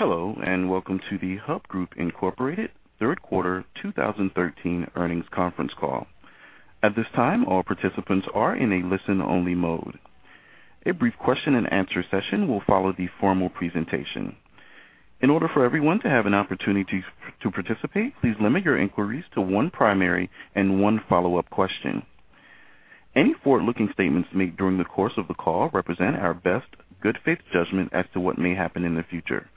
Hello, and welcome to the Hub Group Incorporated Third Quarter 2013 Earnings Conference Call. At this time, all participants are in a listen-only mode. A brief question-and-answer session will follow the formal presentation. In order for everyone to have an opportunity to participate, please limit your inquiries to one primary and one follow-up question. Any forward-looking statements made during the course of the call represent our best good faith judgment as to what may happen in the future.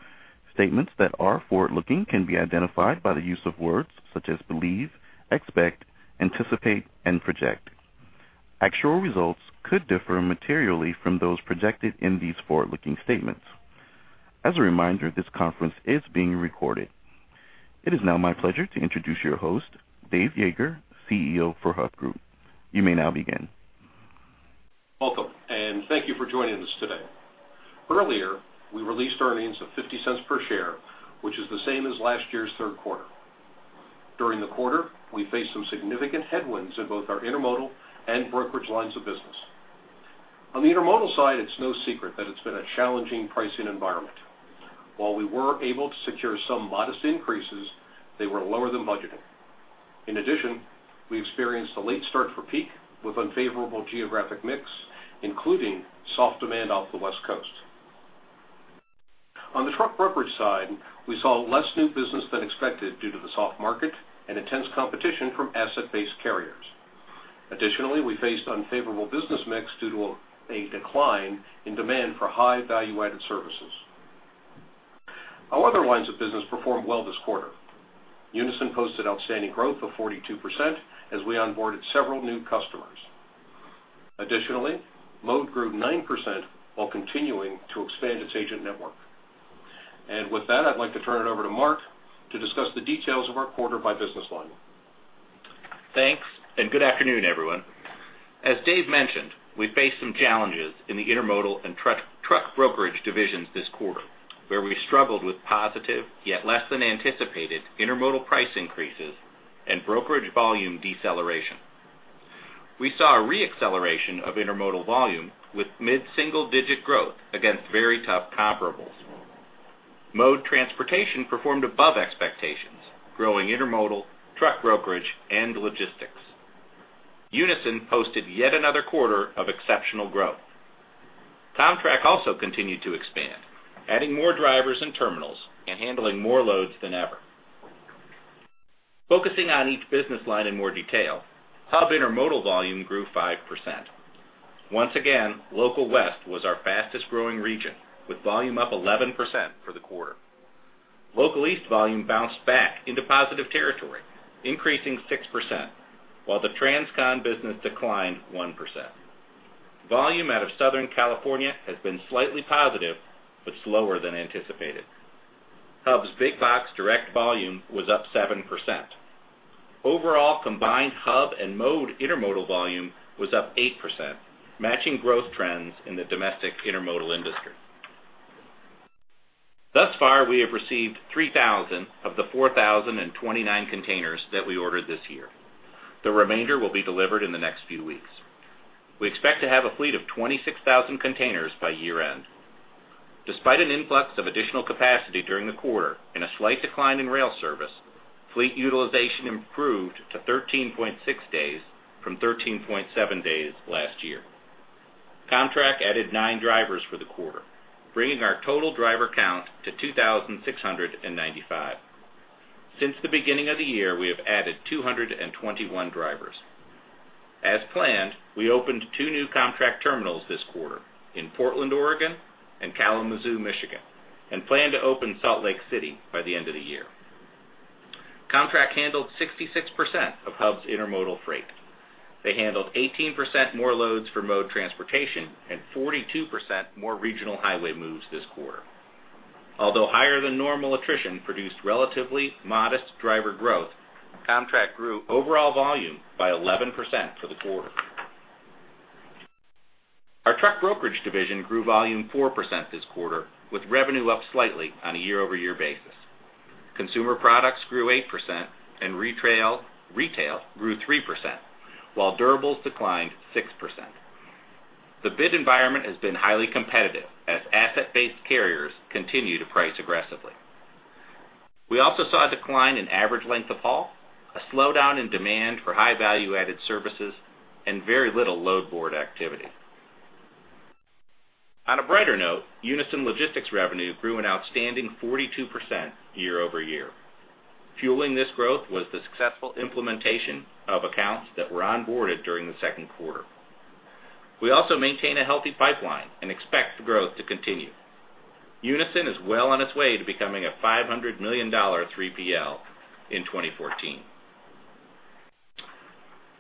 Statements that are forward-looking can be identified by the use of words such as believe, expect, anticipate, and project. Actual results could differ materially from those projected in these forward-looking statements. As a reminder, this conference is being recorded. It is now my pleasure to introduce your host, Dave Yeager, CEO for Hub Group. You may now begin. Welcome, and thank you for joining us today. Earlier, we released earnings of $0.50 per share, which is the same as last year's third quarter. During the quarter, we faced some significant headwinds in both our intermodal and brokerage lines of business. On the intermodal side, it's no secret that it's been a challenging pricing environment. While we were able to secure some modest increases, they were lower than budgeting. In addition, we experienced a late start for peak with unfavorable geographic mix, including soft demand off the West Coast. On the truck brokerage side, we saw less new business than expected due to the soft market and intense competition from asset-based carriers. Additionally, we faced unfavorable business mix due to a decline in demand for high value-added services. Our other lines of business performed well this quarter. Unyson posted outstanding growth of 42% as we onboarded several new customers. Additionally, Mode grew 9% while continuing to expand its agent network. With that, I'd like to turn it over to Mark to discuss the details of our quarter by business line. Thanks, and good afternoon, everyone. As Dave mentioned, we faced some challenges in the intermodal and truck, truck brokerage divisions this quarter, where we struggled with positive, yet less than anticipated intermodal price increases and brokerage volume deceleration. We saw a re-acceleration of intermodal volume with mid-single-digit growth against very tough comparables. Mode Transportation performed above expectations, growing intermodal, truck brokerage, and logistics. Unyson posted yet another quarter of exceptional growth. Comtrack also continued to expand, adding more drivers and terminals and handling more loads than ever. Focusing on each business line in more detail, Hub intermodal volume grew 5%. Once again, Local West was our fastest-growing region, with volume up 11% for the quarter. Local East volume bounced back into positive territory, increasing 6%, while the TransCon business declined 1%. Volume out of Southern California has been slightly positive but slower than anticipated. Hub's Big Box Direct volume was up 7%. Overall, combined Hub and Mode intermodal volume was up 8%, matching growth trends in the domestic intermodal industry. Thus far, we have received 3,000 of the 4,029 containers that we ordered this year. The remainder will be delivered in the next few weeks. We expect to have a fleet of 26,000 containers by year-end. Despite an influx of additional capacity during the quarter and a slight decline in rail service, fleet utilization improved to 13.6 days from 13.7 days last year. Comtrak added 9 drivers for the quarter, bringing our total driver count to 2,695. Since the beginning of the year, we have added 221 drivers. As planned, we opened 2 new Comtrak terminals this quarter in Portland, Oregon, and Kalamazoo, Michigan, and plan to open Salt Lake City by the end of the year. Comtrak handled 66% of Hub's intermodal freight. They handled 18% more loads for Mode Transportation and 42% more regional highway moves this quarter. Although higher-than-normal attrition produced relatively modest driver growth, Comtrak grew overall volume by 11% for the quarter. Our truck brokerage division grew volume 4% this quarter, with revenue up slightly on a year-over-year basis. Consumer products grew 8% and retail, retail grew 3%, while durables declined 6%. The bid environment has been highly competitive as asset-based carriers continue to price aggressively. We also saw a decline in average length of haul, a slowdown in demand for high-value added services, and very little load board activity. On a brighter note, Unyson Logistics revenue grew an outstanding 42% year-over-year. Fueling this growth was the successful implementation of accounts that were onboarded during the second quarter. We also maintain a healthy pipeline and expect the growth to continue. Unyson is well on its way to becoming a $500 million 3PL in 2014.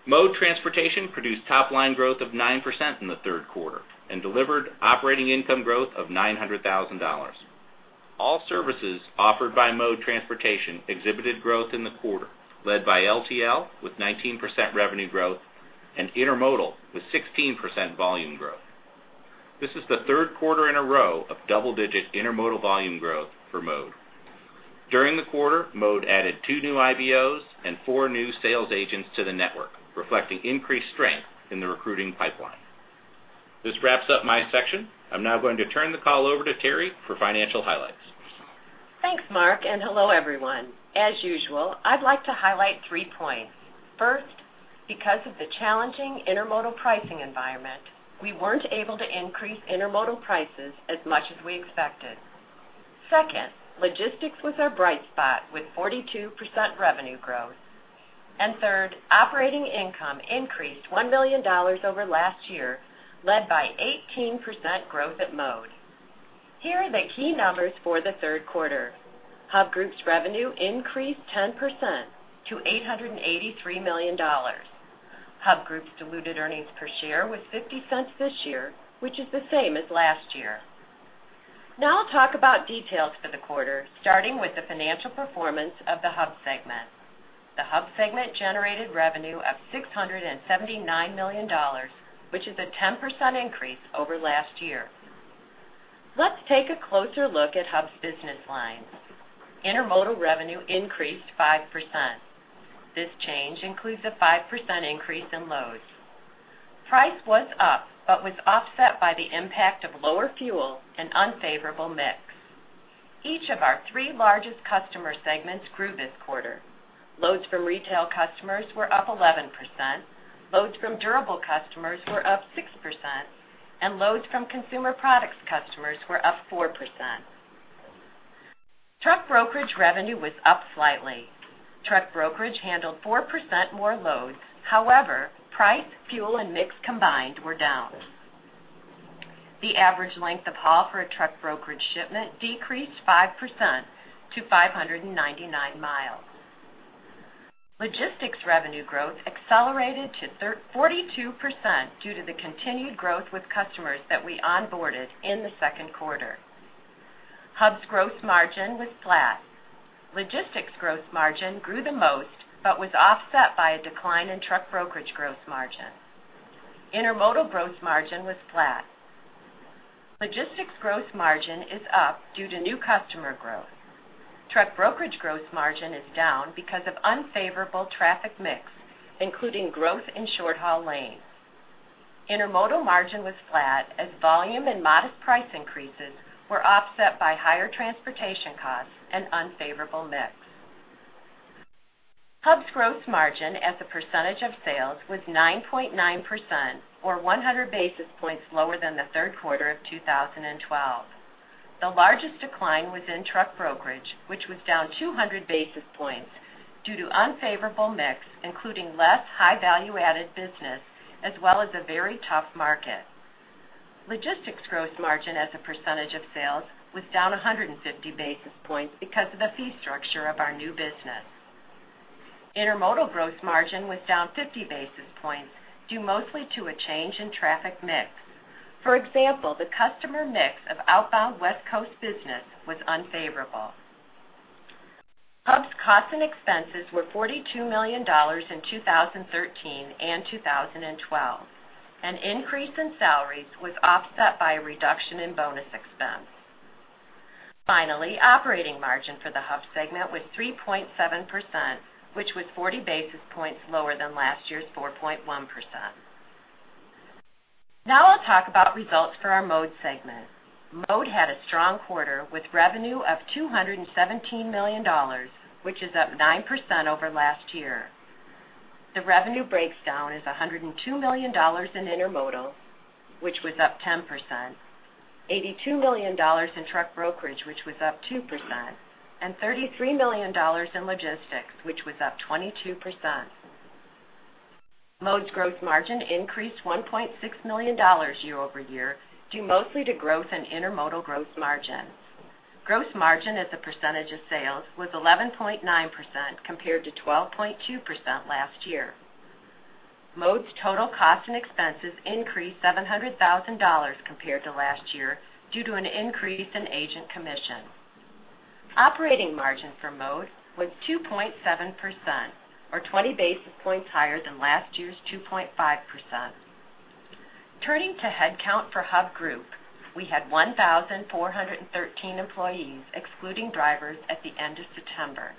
Mode Transportation produced top-line growth of 9% in the third quarter and delivered operating income growth of $900,000. All services offered by Mode Transportation exhibited growth in the quarter, led by LTL with 19% revenue growth and intermodal with 16% volume growth. This is the third quarter in a row of double-digit intermodal volume growth for Mode. During the quarter, Mode added two new IBOs and four new sales agents to the network, reflecting increased strength in the recruiting pipeline. This wraps up my section. I'm now going to turn the call over to Terri for financial highlights. Thanks, Mark, and hello, everyone. As usual, I'd like to highlight three points. First, because of the challenging intermodal pricing environment, we weren't able to increase intermodal prices as much as we expected. Second, logistics was our bright spot, with 42% revenue growth. And third, operating income increased $1 million over last year, led by 18% growth at Mode. Here are the key numbers for the third quarter. Hub Group's revenue increased 10% to $883 million. Hub Group's diluted earnings per share was $0.50 this year, which is the same as last year. Now I'll talk about details for the quarter, starting with the financial performance of the Hub segment. The Hub segment generated revenue of $679 million, which is a 10% increase over last year. Let's take a closer look at Hub's business lines. Intermodal revenue increased 5%. This change includes a 5% increase in loads. Price was up, but was offset by the impact of lower fuel and unfavorable mix. Each of our three largest customer segments grew this quarter. Loads from retail customers were up 11%, loads from durable customers were up 6%, and loads from consumer products customers were up 4%. Truck brokerage revenue was up slightly. Truck brokerage handled 4% more loads. However, price, fuel, and mix combined were down. The average length of haul for a truck brokerage shipment decreased 5% to 599 miles. Logistics revenue growth accelerated to 32% due to the continued growth with customers that we onboarded in the second quarter. Hub's gross margin was flat. Logistics gross margin grew the most, but was offset by a decline in truck brokerage gross margin. Intermodal gross margin was flat. Logistics gross margin is up due to new customer growth. Truck brokerage gross margin is down because of unfavorable traffic mix, including growth in short-haul lanes. Intermodal margin was flat as volume and modest price increases were offset by higher transportation costs and unfavorable mix. Hub's gross margin as a percentage of sales was 9.9%, or 100 basis points lower than the third quarter of 2012. The largest decline was in truck brokerage, which was down 200 basis points due to unfavorable mix, including less high value-added business, as well as a very tough market. Logistics gross margin as a percentage of sales was down 150 basis points because of the fee structure of our new business. Intermodal gross margin was down 50 basis points, due mostly to a change in traffic mix. For example, the customer mix of outbound West Coast business was unfavorable. Hub's costs and expenses were $42 million in 2013 and 2012. An increase in salaries was offset by a reduction in bonus expense. Finally, operating margin for the Hub segment was 3.7%, which was 40 basis points lower than last year's 4.1%. Now I'll talk about results for our Mode segment. Mode had a strong quarter with revenue of $217 million, which is up 9% over last year. The revenue breaks down as $102 million in intermodal, which was up 10%, $82 million in truck brokerage, which was up 2%, and $33 million in logistics, which was up 22%. Mode's gross margin increased $1.6 million year-over-year, due mostly to growth in intermodal gross margin. Gross margin as a percentage of sales was 11.9%, compared to 12.2% last year. Mode's total costs and expenses increased $700,000 compared to last year due to an increase in agent commission. Operating margin for Mode was 2.7%, or 20 basis points higher than last year's 2.5%. Turning to headcount for Hub Group, we had 1,413 employees, excluding drivers, at the end of September.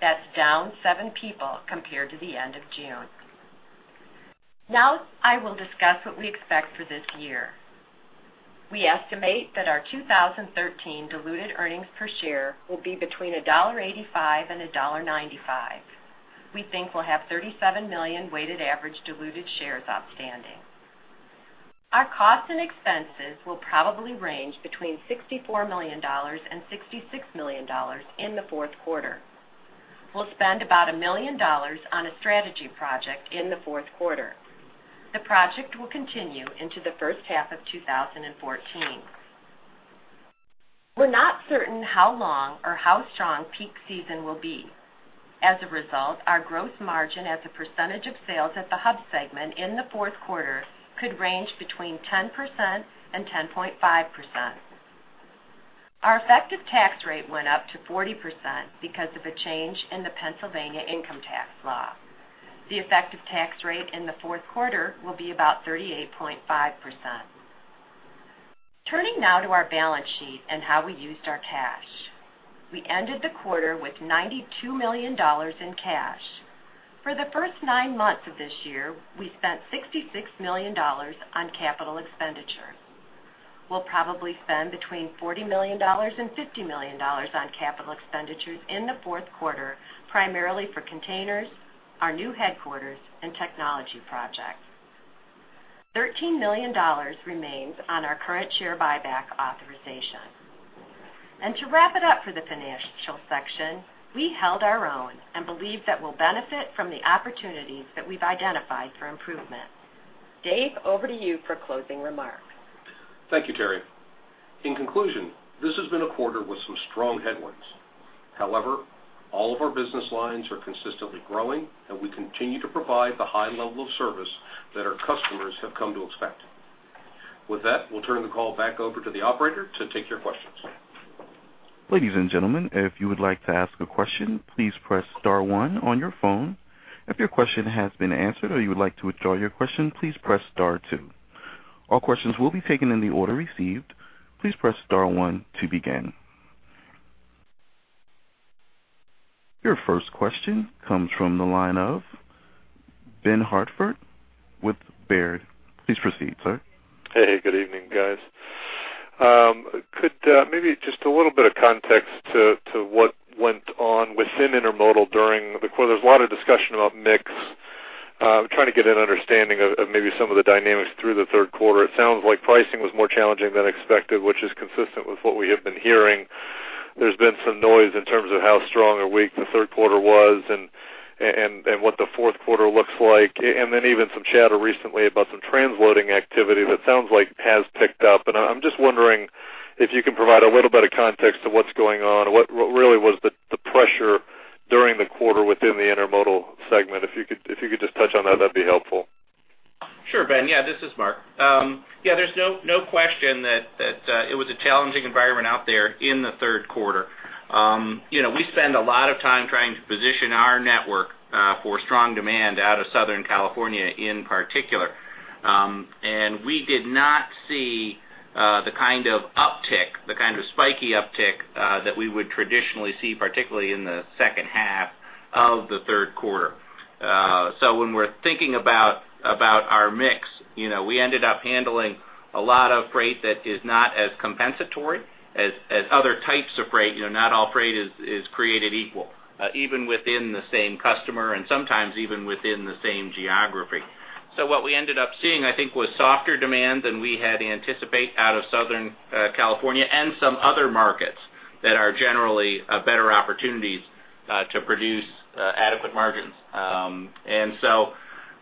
That's down 7 people compared to the end of June. Now I will discuss what we expect for this year. We estimate that our 2013 diluted earnings per share will be between $1.85 and $1.95. We think we'll have 37 million weighted average diluted shares outstanding. Our costs and expenses will probably range between $64 million and $66 million in the fourth quarter. We'll spend about $1 million on a strategy project in the fourth quarter. The project will continue into the first half of 2014. We're not certain how long or how strong peak season will be. As a result, our gross margin as a percentage of sales at the Hub segment in the fourth quarter could range between 10% and 10.5%. Our effective tax rate went up to 40% because of a change in the Pennsylvania income tax law. The effective tax rate in the fourth quarter will be about 38.5%. Turning now to our balance sheet and how we used our cash. We ended the quarter with $92 million in cash. For the first nine months of this year, we spent $66 million on capital expenditure. We'll probably spend between $40 million and $50 million on capital expenditures in the fourth quarter, primarily for containers, our new headquarters, and technology projects. $13 million remains on our current share buyback authorization. To wrap it up for the financial section, we held our own and believe that we'll benefit from the opportunities that we've identified for improvement. Dave, over to you for closing remarks. Thank you, Terri. In conclusion, this has been a quarter with some strong headwinds. However, all of our business lines are consistently growing, and we continue to provide the high level of service that our customers have come to expect. With that, we'll turn the call back over to the operator to take your questions. Ladies and gentlemen, if you would like to ask a question, please press star one on your phone. If your question has been answered or you would like to withdraw your question, please press star two. All questions will be taken in the order received. Please press star one to begin. Your first question comes from the line of Ben Hartford with Baird. Please proceed, sir. Hey, good evening, guys. Could maybe just a little bit of context to what went on within Intermodal during the quarter? There's a lot of discussion about mix. I'm trying to get an understanding of maybe some of the dynamics through the third quarter. It sounds like pricing was more challenging than expected, which is consistent with what we have been hearing. There's been some noise in terms of how strong or weak the third quarter was and what the fourth quarter looks like, and then even some chatter recently about some transloading activity that sounds like it has picked up. I'm just wondering if you can provide a little bit of context to what's going on, what really was the pressure during the quarter within the Intermodal segment? If you could, if you could just touch on that, that'd be helpful. Sure, Ben. Yeah, this is Mark. Yeah, there's no question that it was a challenging environment out there in the third quarter. You know, we spend a lot of time trying to position our network for strong demand out of Southern California, in particular. And we did not see the kind of uptick, the kind of spiky uptick that we would traditionally see, particularly in the second half of the third quarter. So when we're thinking about our mix, you know, we ended up handling a lot of freight that is not as compensatory as other types of freight. You know, not all freight is created equal, even within the same customer and sometimes even within the same geography. So what we ended up seeing, I think, was softer demand than we had anticipated out of Southern California and some other markets that are generally better opportunities to produce adequate margins. And so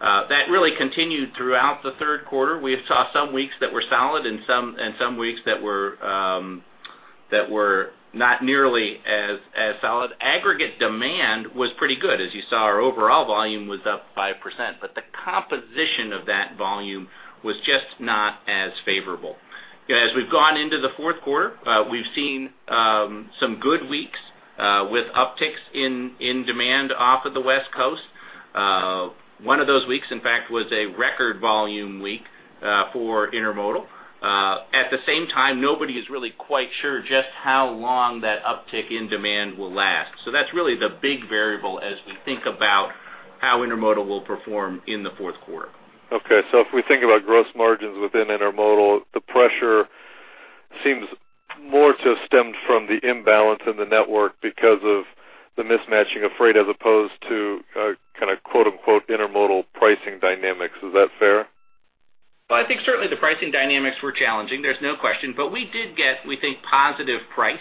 that really continued throughout the third quarter. We saw some weeks that were solid and some weeks that were not nearly as solid. Aggregate demand was pretty good. As you saw, our overall volume was up 5%, but the composition of that volume was just not as favorable. As we've gone into the fourth quarter, we've seen some good weeks with upticks in demand off of the West Coast. One of those weeks, in fact, was a record volume week for intermodal. At the same time, nobody is really quite sure just how long that uptick in demand will last. So that's really the big variable as we think about how Intermodal will perform in the fourth quarter. Okay. So if we think about gross margins within Intermodal, the pressure seems more to stem from the imbalance in the network because of the mismatching of freight, as opposed to, kind of quote-unquote, "Intermodal pricing dynamics." Is that fair? Well, I think certainly the pricing dynamics were challenging, there's no question, but we did get, we think, positive price.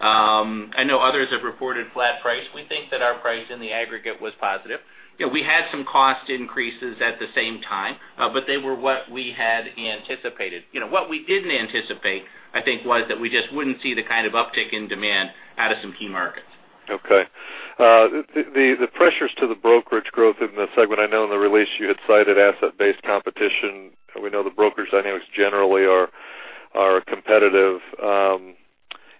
I know others have reported flat price. We think that our price in the aggregate was positive. You know, we had some cost increases at the same time, but they were what we had anticipated. You know, what we didn't anticipate, I think, was that we just wouldn't see the kind of uptick in demand out of some key markets. Okay. The pressures to the brokerage growth in the segment, I know in the release you had cited asset-based competition, and we know the brokerage dynamics generally are competitive,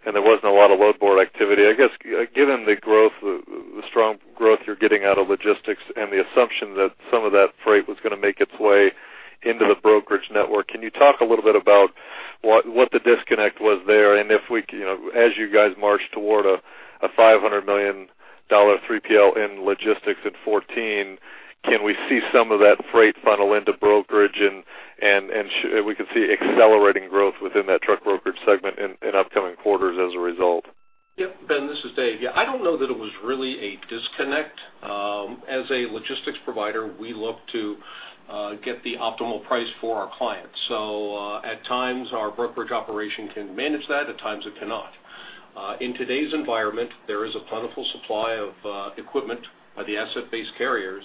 and there wasn't a lot of load board activity. I guess, given the growth, the strong growth you're getting out of logistics and the assumption that some of that freight was going to make its way into the brokerage network, can you talk a little bit about what the disconnect was there? And if we, you know, as you guys march toward a $500 million 3PL in logistics in 2014, can we see some of that freight funnel into brokerage and we can see accelerating growth within that truck brokerage segment in upcoming quarters as a result? Yep. Ben, this is Dave. Yeah, I don't know that it was really a disconnect. As a logistics provider, we look to get the optimal price for our clients. So, at times, our brokerage operation can manage that, at times it cannot. In today's environment, there is a plentiful supply of equipment by the asset-based carriers,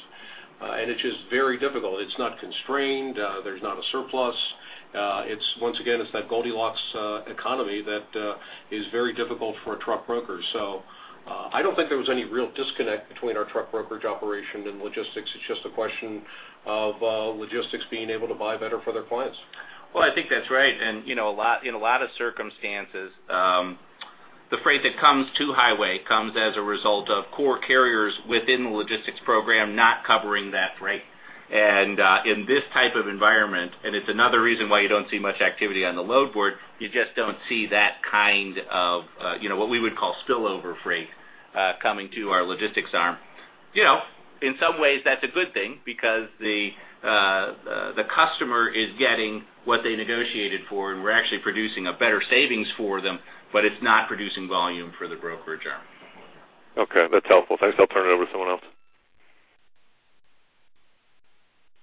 and it's just very difficult. It's not constrained, there's not a surplus. It's once again, it's that Goldilocks economy that is very difficult for a truck broker. So, I don't think there was any real disconnect between our truck brokerage operation and logistics. It's just a question of logistics being able to buy better for their clients. Well, I think that's right. You know, a lot, in a lot of circumstances, the freight that comes to highway comes as a result of core carriers within the logistics program not covering that freight. In this type of environment, and it's another reason why you don't see much activity on the load board, you just don't see that kind of, you know, what we would call spillover freight, coming to our logistics arm. You know, in some ways, that's a good thing because the customer is getting what they negotiated for, and we're actually producing a better savings for them, but it's not producing volume for the brokerage arm. Okay, that's helpful. Thanks. I'll turn it over to someone else.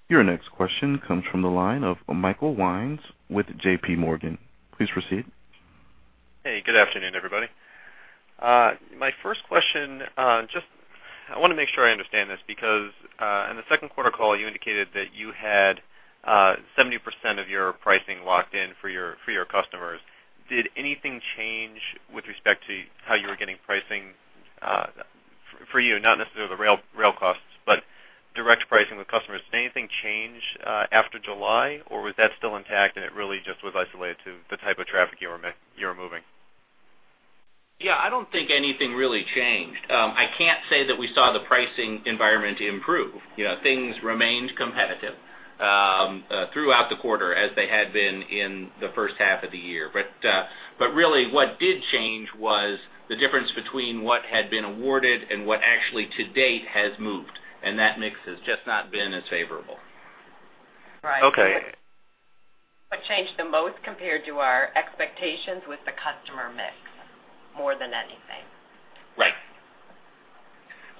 Your next question comes from the line of Michael Wynn with J.P. Morgan. Please proceed. Hey, good afternoon, everybody. My first question, just I want to make sure I understand this, because in the second quarter call, you indicated that you had 70% of your pricing locked in for your customers. Did anything change with respect to how you were getting pricing for you, not necessarily the rail costs, but direct pricing with customers? Did anything change after July, or was that still intact and it really just was isolated to the type of traffic you were moving? Yeah, I don't think anything really changed. I can't say that we saw the pricing environment improve. You know, things remained competitive throughout the quarter as they had been in the first half of the year. But really what did change was the difference between what had been awarded and what actually to date has moved, and that mix has just not been as favorable. Okay. Right. What changed the most compared to our expectations was the customer mix, more than anything. Right.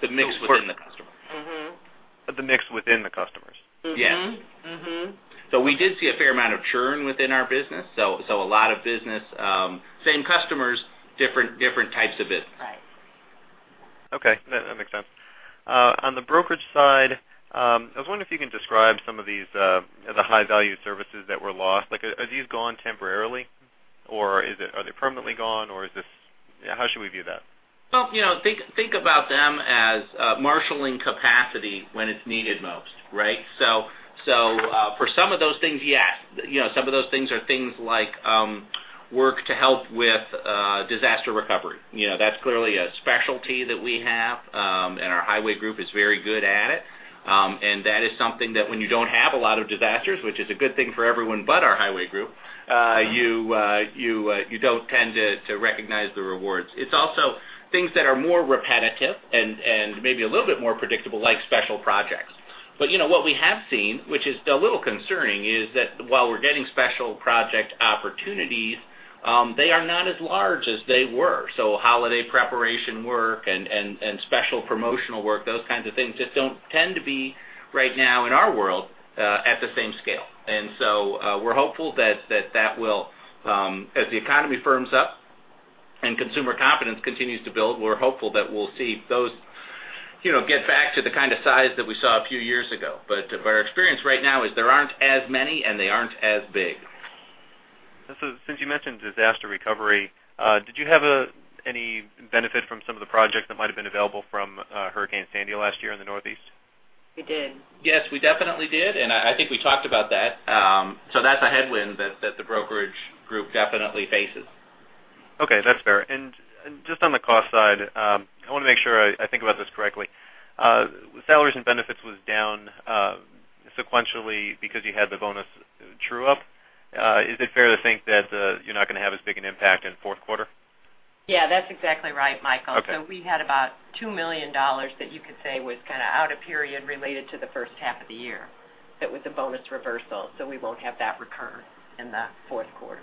The mix within the customer. Mm-hmm. The mix within the customers? Mm-hmm. Mm-hmm. Yes. So we did see a fair amount of churn within our business. So a lot of business, same customers, different types of business. Right. Okay, that makes sense. On the brokerage side, I was wondering if you can describe some of these, the high-value services that were lost. Like, are these gone temporarily, or are they permanently gone, or is this... How should we view that? Well, you know, think about them as marshaling capacity when it's needed most, right? So, for some of those things, yes. You know, some of those things are things like work to help with disaster recovery. You know, that's clearly a specialty that we have, and our highway group is very good at it. And that is something that when you don't have a lot of disasters, which is a good thing for everyone but our highway group, you don't tend to recognize the rewards. It's also things that are more repetitive and maybe a little bit more predictable, like special projects. But, you know, what we have seen, which is a little concerning, is that while we're getting special project opportunities, they are not as large as they were. So holiday preparation work and special promotional work, those kinds of things just don't tend to be right now in our world, at the same scale. And so, we're hopeful that will, as the economy firms up and consumer confidence continues to build, we're hopeful that we'll see those, you know, get back to the kind of size that we saw a few years ago. But our experience right now is there aren't as many, and they aren't as big. So since you mentioned disaster recovery, did you have any benefit from some of the projects that might have been available from Hurricane Sandy last year in the Northeast? We did. Yes, we definitely did, and I think we talked about that. So that's a headwind that the brokerage group definitely faces. Okay, that's fair. And just on the cost side, I want to make sure I think about this correctly. Salaries and benefits was down sequentially because you had the bonus true up. Is it fair to think that you're not going to have as big an impact in the fourth quarter? Yeah, that's exactly right, Michael. Okay. We had about $2 million that you could say was kind of out of period related to the first half of the year. That was a bonus reversal, so we won't have that recur in the fourth quarter.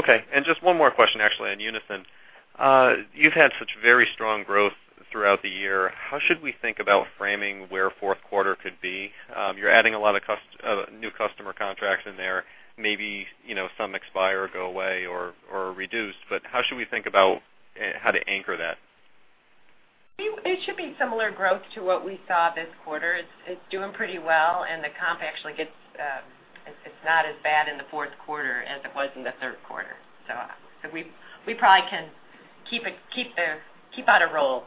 Okay. And just one more question, actually, on Unyson. You've had such very strong growth throughout the year. How should we think about framing where fourth quarter could be? You're adding a lot of new customer contracts in there. Maybe, you know, some expire or go away or, or reduce, but how should we think about how to anchor that? It should be similar growth to what we saw this quarter. It's, it's doing pretty well, and the comp actually gets, it's not as bad in the fourth quarter as it was in the third quarter. So, so we, we probably can keep it, keep the, keep on a roll.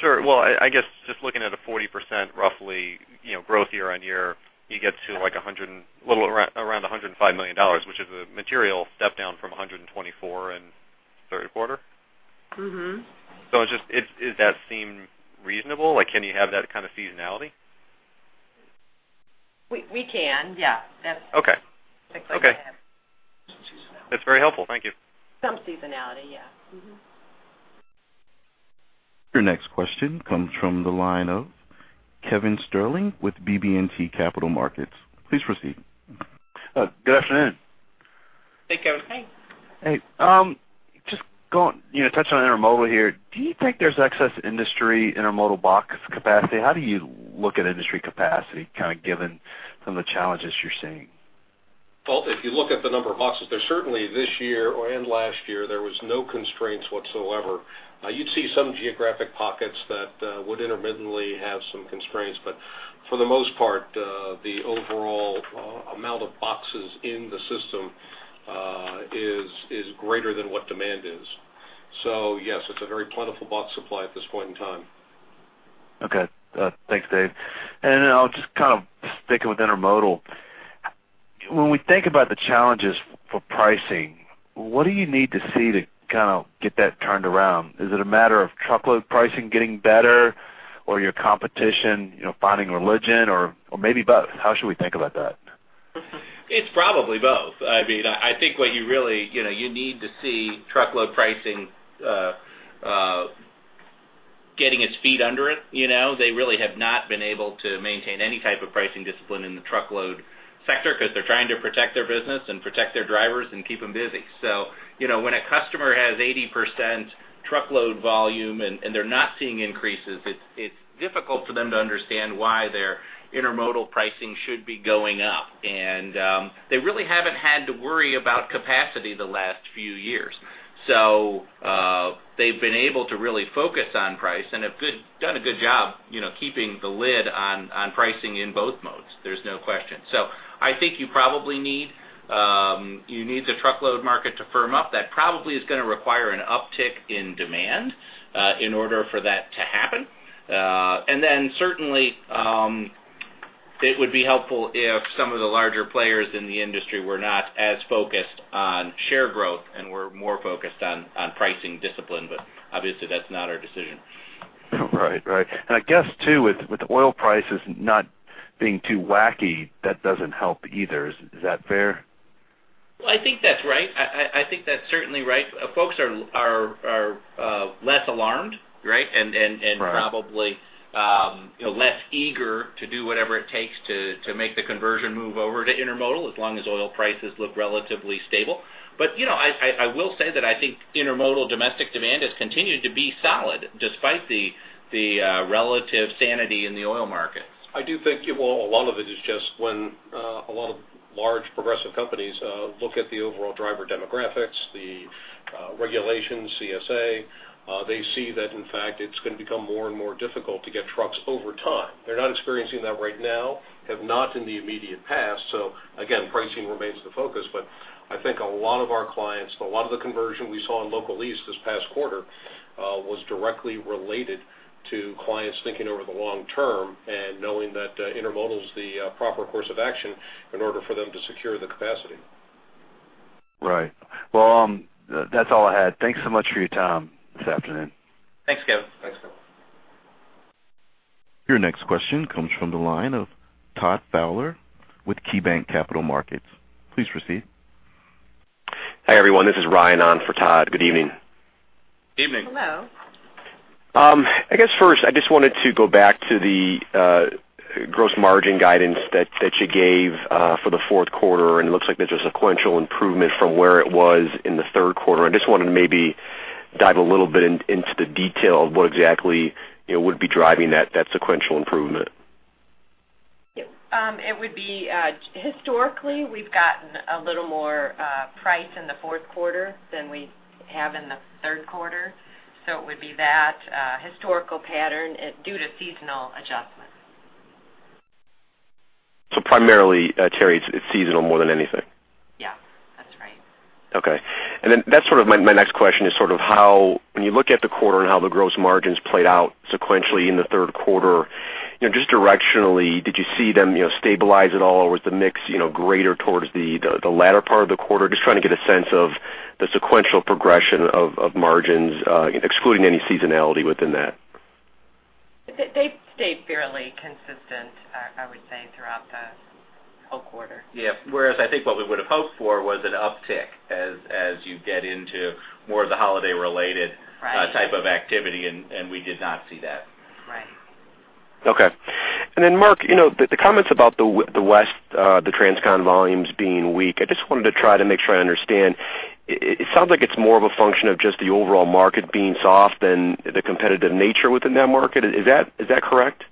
Sure. Well, I, I guess just looking at a 40%, roughly, you know, growth year-on-year, you get to like a hundred and... a little around, around $105 million, which is a material step down from $124 million in third quarter? Mm-hmm. So it's just... Does that seem reasonable? Like, can you have that kind of seasonality? We can, yeah. That's- Okay. Looks like that. Okay. That's very helpful. Thank you. Some seasonality, yeah. Mm-hmm. Your next question comes from the line of Kevin Sterling with BB&T Capital Markets. Please proceed. Good afternoon. Hey, Kevin. Hey. Hey, just going, you know, touching on intermodal here, do you think there's excess industry intermodal box capacity? How do you look at industry capacity, kind of given some of the challenges you're seeing? Well, if you look at the number of boxes, there's certainly this year or and last year, there was no constraints whatsoever. You'd see some geographic pockets that would intermittently have some constraints, but for the most part, the overall amount of boxes in the system is greater than what demand is. So yes, it's a very plentiful box supply at this point in time.... Okay. Thanks, Dave. And then I'll just kind of sticking with intermodal. When we think about the challenges for pricing, what do you need to see to kind of get that turned around? Is it a matter of truckload pricing getting better or your competition, you know, finding religion, or, or maybe both? How should we think about that? It's probably both. I mean, I think what you really, you know, you need to see truckload pricing getting its feet under it, you know. They really have not been able to maintain any type of pricing discipline in the truckload sector because they're trying to protect their business and protect their drivers and keep them busy. So, you know, when a customer has 80% truckload volume and they're not seeing increases, it's difficult for them to understand why their intermodal pricing should be going up. And they really haven't had to worry about capacity the last few years. So, they've been able to really focus on price and done a good job, you know, keeping the lid on pricing in both modes. There's no question. So I think you probably need the truckload market to firm up. That probably is gonna require an uptick in demand in order for that to happen. And then certainly it would be helpful if some of the larger players in the industry were not as focused on share growth and were more focused on pricing discipline, but obviously, that's not our decision. Right. Right. And I guess, too, with oil prices not being too wacky, that doesn't help either. Is that fair? Well, I think that's right. I think that's certainly right. Folks are less alarmed, right? Right. Probably, you know, less eager to do whatever it takes to make the conversion move over to intermodal, as long as oil prices look relatively stable. But, you know, I will say that I think intermodal domestic demand has continued to be solid despite the relative sanity in the oil markets. I do think, well, a lot of it is just when a lot of large progressive companies look at the overall driver demographics, the regulations, CSA, they see that in fact, it's going to become more and more difficult to get trucks over time. They're not experiencing that right now, have not in the immediate past. So again, pricing remains the focus, but I think a lot of our clients, a lot of the conversion we saw in local lease this past quarter was directly related to clients thinking over the long term and knowing that intermodal is the proper course of action in order for them to secure the capacity. Right. Well, that's all I had. Thanks so much for your time this afternoon. Thanks, Kevin. Thanks, Kevin. Your next question comes from the line of Todd Fowler with KeyBanc Capital Markets. Please proceed. Hi, everyone. This is Ryan on for Todd. Good evening. Evening. Hello. I guess first, I just wanted to go back to the gross margin guidance that, that you gave for the fourth quarter, and it looks like there's a sequential improvement from where it was in the third quarter. I just wanted to maybe dive a little bit in, into the detail of what exactly, you know, would be driving that, that sequential improvement. It would be, historically, we've gotten a little more price in the fourth quarter than we have in the third quarter, so it would be that historical pattern due to seasonal adjustments. So primarily, Terry, it's seasonal more than anything? Yeah, that's right. Okay. And then that's sort of my next question is sort of how... When you look at the quarter and how the gross margins played out sequentially in the third quarter, you know, just directionally, did you see them, you know, stabilize at all, or was the mix, you know, greater towards the latter part of the quarter? Just trying to get a sense of the sequential progression of margins, excluding any seasonality within that. They stayed fairly consistent, I would say, throughout the whole quarter. Yeah. Whereas I think what we would have hoped for was an uptick as you get into more of the holiday-related- Right type of activity, and we did not see that. Right. Okay. And then, Mark, you know, the comments about the West, the transcon volumes being weak, I just wanted to try to make sure I understand. It sounds like it's more of a function of just the overall market being soft than the competitive nature within that market. Is that correct?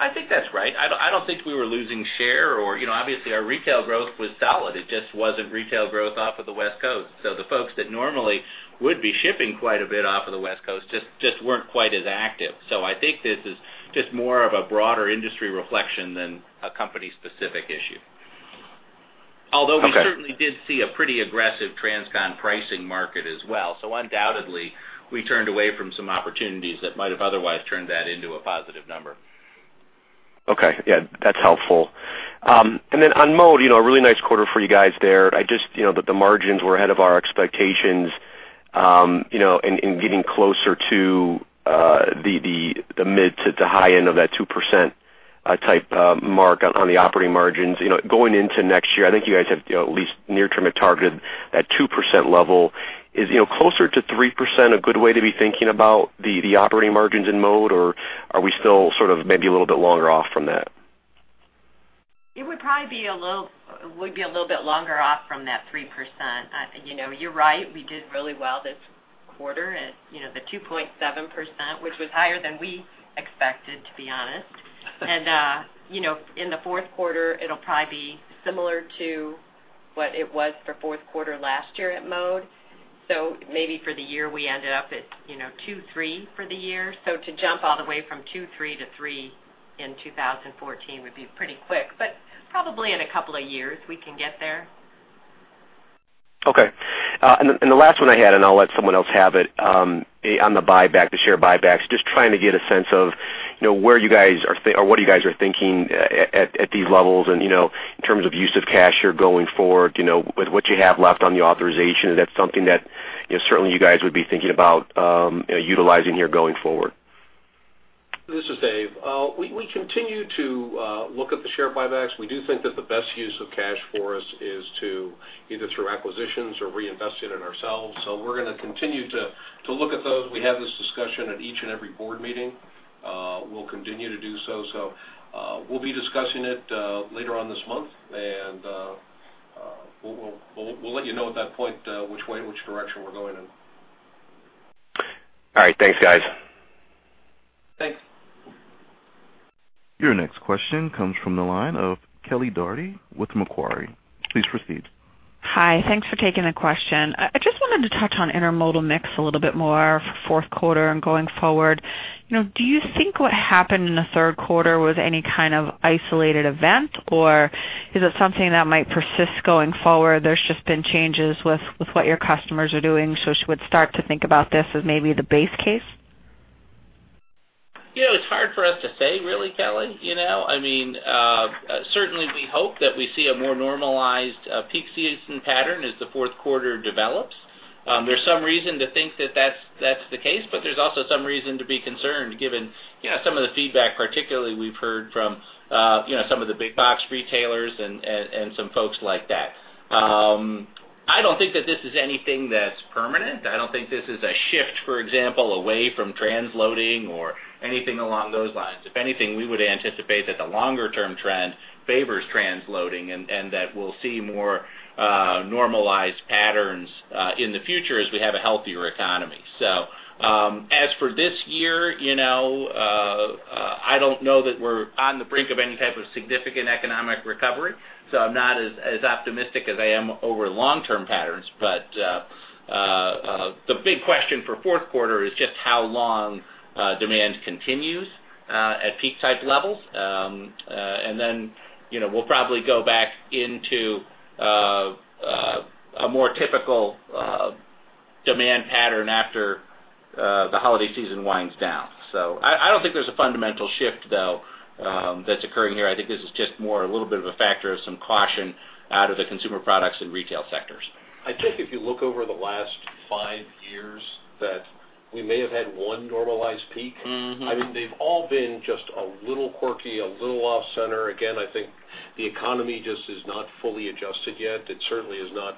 I think that's right. I don't, I don't think we were losing share or, you know, obviously, our retail growth was solid. It just wasn't retail growth off of the West Coast. So the folks that normally would be shipping quite a bit off of the West Coast just, just weren't quite as active. So I think this is just more of a broader industry reflection than a company-specific issue. Okay. Although we certainly did see a pretty aggressive transcon pricing market as well. So undoubtedly, we turned away from some opportunities that might have otherwise turned that into a positive number. Okay. Yeah, that's helpful. And then on mode, you know, a really nice quarter for you guys there. I just, you know, that the margins were ahead of our expectations, you know, in getting closer to the mid to the high end of that 2% type mark on the operating margins. You know, going into next year, I think you guys have, you know, at least near term, a target of that 2% level. Is, you know, closer to 3% a good way to be thinking about the operating margins in mode, or are we still sort of maybe a little bit longer off from that? It would probably be a little bit longer off from that 3%. You know, you're right, we did really well this quarter, and, you know, the 2.7%, which was higher than we expected, to be honest. And, you know, in the fourth quarter, it'll probably be similar to what it was for fourth quarter last year at Mode. So maybe for the year, we ended up at, you know, 2%-3% for the year. So to jump all the way from 2%-3% to 3% in 2014 would be pretty quick, but probably in a couple of years we can get there. Okay. And the last one I had, and I'll let someone else have it, on the buyback, the share buybacks, just trying to get a sense of, you know, where you guys are or what you guys are thinking, at these levels and, you know, in terms of use of cash here going forward, you know, with what you have left on the authorization, is that something that, you know, certainly you guys would be thinking about, utilizing here going forward? This is Dave. We continue to look at the share buybacks. We do think that the best use of cash for us is to either through acquisitions or reinvest it in ourselves. So we're gonna continue to look at those. We have this discussion at each and every board meeting. We'll continue to do so. So, we'll be discussing it later on this month, and we'll let you know at that point which way, which direction we're going in. All right. Thanks, guys. Thanks. Your next question comes from the line of Kelly Dougherty with Macquarie. Please proceed. Hi, thanks for taking the question. I just wanted to touch on intermodal mix a little bit more for fourth quarter and going forward. You know, do you think what happened in the third quarter was any kind of isolated event, or is it something that might persist going forward? There's just been changes with what your customers are doing, so she would start to think about this as maybe the base case? You know, it's hard for us to say, really, Kelly, you know? I mean, certainly, we hope that we see a more normalized, peak season pattern as the fourth quarter develops. There's some reason to think that that's, that's the case, but there's also some reason to be concerned given, you know, some of the feedback, particularly we've heard from, you know, some of the big box retailers and, and, and some folks like that. I don't think that this is anything that's permanent. I don't think this is a shift, for example, away from transloading or anything along those lines. If anything, we would anticipate that the longer-term trend favors transloading and, and that we'll see more, normalized patterns, in the future as we have a healthier economy. So, as for this year, you know, I don't know that we're on the brink of any type of significant economic recovery, so I'm not as optimistic as I am over long-term patterns. But, the big question for fourth quarter is just how long demand continues at peak type levels. And then, you know, we'll probably go back into a more typical demand pattern after the holiday season winds down. So I don't think there's a fundamental shift, though, that's occurring here. I think this is just more a little bit of a factor of some caution out of the consumer products and retail sectors. I think if you look over the last five years, that we may have had one normalized peak. Mm-hmm. I mean, they've all been just a little quirky, a little off center. Again, I think the economy just is not fully adjusted yet. It certainly is not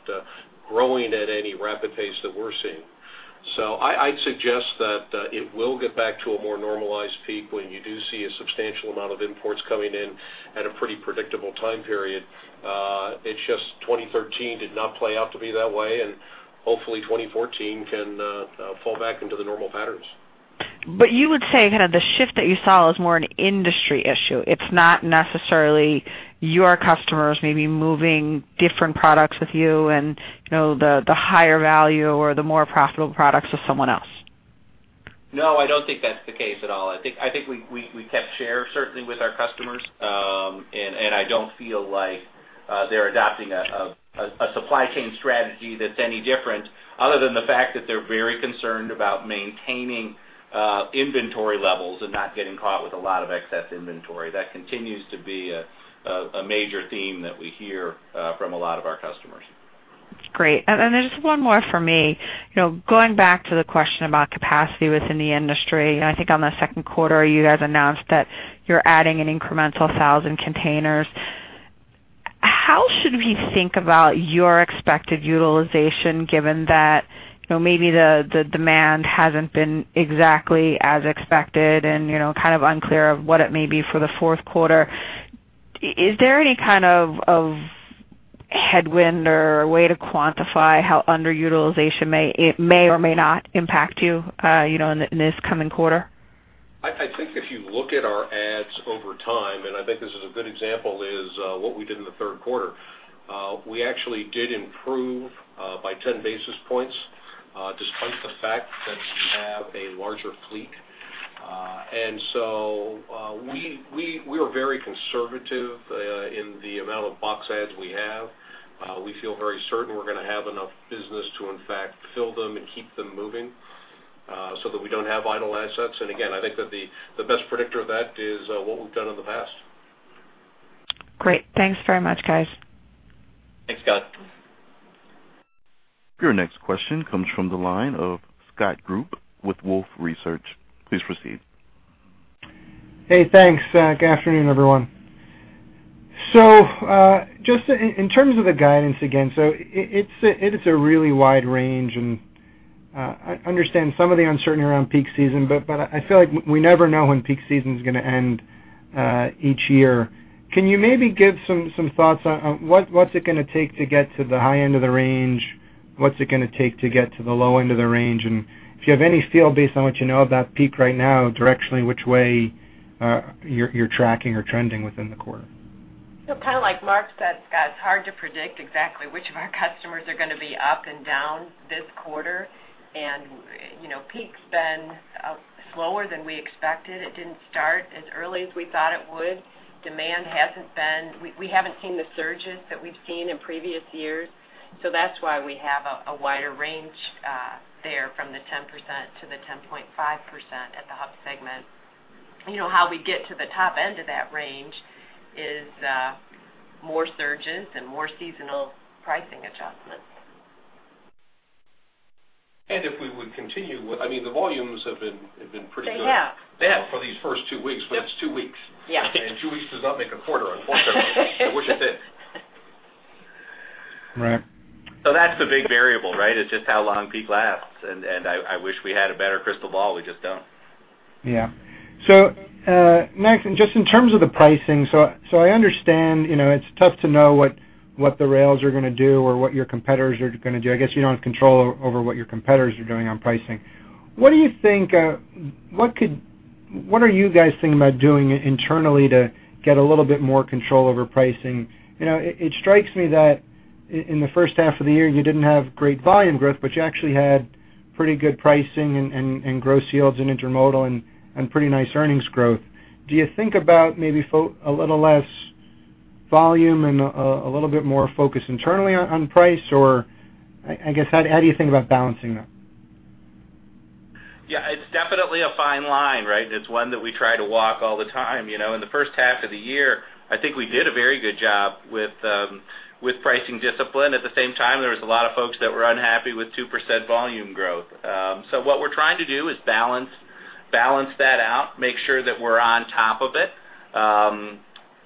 growing at any rapid pace that we're seeing. So I, I'd suggest that it will get back to a more normalized peak when you do see a substantial amount of imports coming in at a pretty predictable time period. It's just 2013 did not play out to be that way, and hopefully, 2014 can fall back into the normal patterns. But you would say kind of the shift that you saw is more an industry issue. It's not necessarily your customers maybe moving different products with you and, you know, the higher value or the more profitable products with someone else. No, I don't think that's the case at all. I think we kept share, certainly with our customers. And I don't feel like they're adopting a supply chain strategy that's any different, other than the fact that they're very concerned about maintaining inventory levels and not getting caught with a lot of excess inventory. That continues to be a major theme that we hear from a lot of our customers. Great. And there's one more for me. You know, going back to the question about capacity within the industry, and I think on the second quarter, you guys announced that you're adding an incremental 1,000 containers. How should we think about your expected utilization, given that, you know, maybe the demand hasn't been exactly as expected and, you know, kind of unclear of what it may be for the fourth quarter? Is there any kind of headwind or way to quantify how underutilization may or may not impact you, you know, in this coming quarter? I think if you look at our adds over time, and I think this is a good example, is what we did in the third quarter. We actually did improve by 10 basis points despite the fact that we have a larger fleet. And so we are very conservative in the amount of box adds we have. We feel very certain we're gonna have enough business to, in fact, fill them and keep them moving so that we don't have idle assets. And again, I think that the best predictor of that is what we've done in the past. Great. Thanks very much, guys. Thanks, Kelly. Your next question comes from the line of Scott Group with Wolfe Research. Please proceed. Hey, thanks. Good afternoon, everyone. So, just in terms of the guidance again, so it's a really wide range, and I understand some of the uncertainty around peak season, but I feel like we never know when peak season's gonna end each year. Can you maybe give some thoughts on what's it gonna take to get to the high end of the range? What's it gonna take to get to the low end of the range? And if you have any feel based on what you know about peak right now, directionally, which way you're tracking or trending within the quarter?... So kind of like Mark said, Scott, it's hard to predict exactly which of our customers are going to be up and down this quarter. And, you know, peak's been slower than we expected. It didn't start as early as we thought it would. Demand hasn't been. We haven't seen the surges that we've seen in previous years. So that's why we have a wider range there from 10% to 10.5% at the hub segment. You know, how we get to the top end of that range is more surges and more seasonal pricing adjustments. If we would continue with, I mean, the volumes have been pretty good- They have. For these first 2 weeks, but it's 2 weeks. Yeah. Two weeks does not make a quarter, unfortunately. I wish it did. Right. So that's the big variable, right? It's just how long peak lasts, and I wish we had a better crystal ball. We just don't. Yeah. So, Mark, just in terms of the pricing, I understand, you know, it's tough to know what the rails are going to do or what your competitors are going to do. I guess you don't have control over what your competitors are doing on pricing. What do you think, what could—what are you guys thinking about doing internally to get a little bit more control over pricing? You know, it strikes me that in the first half of the year, you didn't have great volume growth, but you actually had pretty good pricing and gross yields in intermodal and pretty nice earnings growth. Do you think about maybe a little less volume and a little bit more focus internally on price? Or I guess, how do you think about balancing that? Yeah, it's definitely a fine line, right? It's one that we try to walk all the time. You know, in the first half of the year, I think we did a very good job with pricing discipline. At the same time, there was a lot of folks that were unhappy with 2% volume growth. So what we're trying to do is balance, balance that out, make sure that we're on top of it,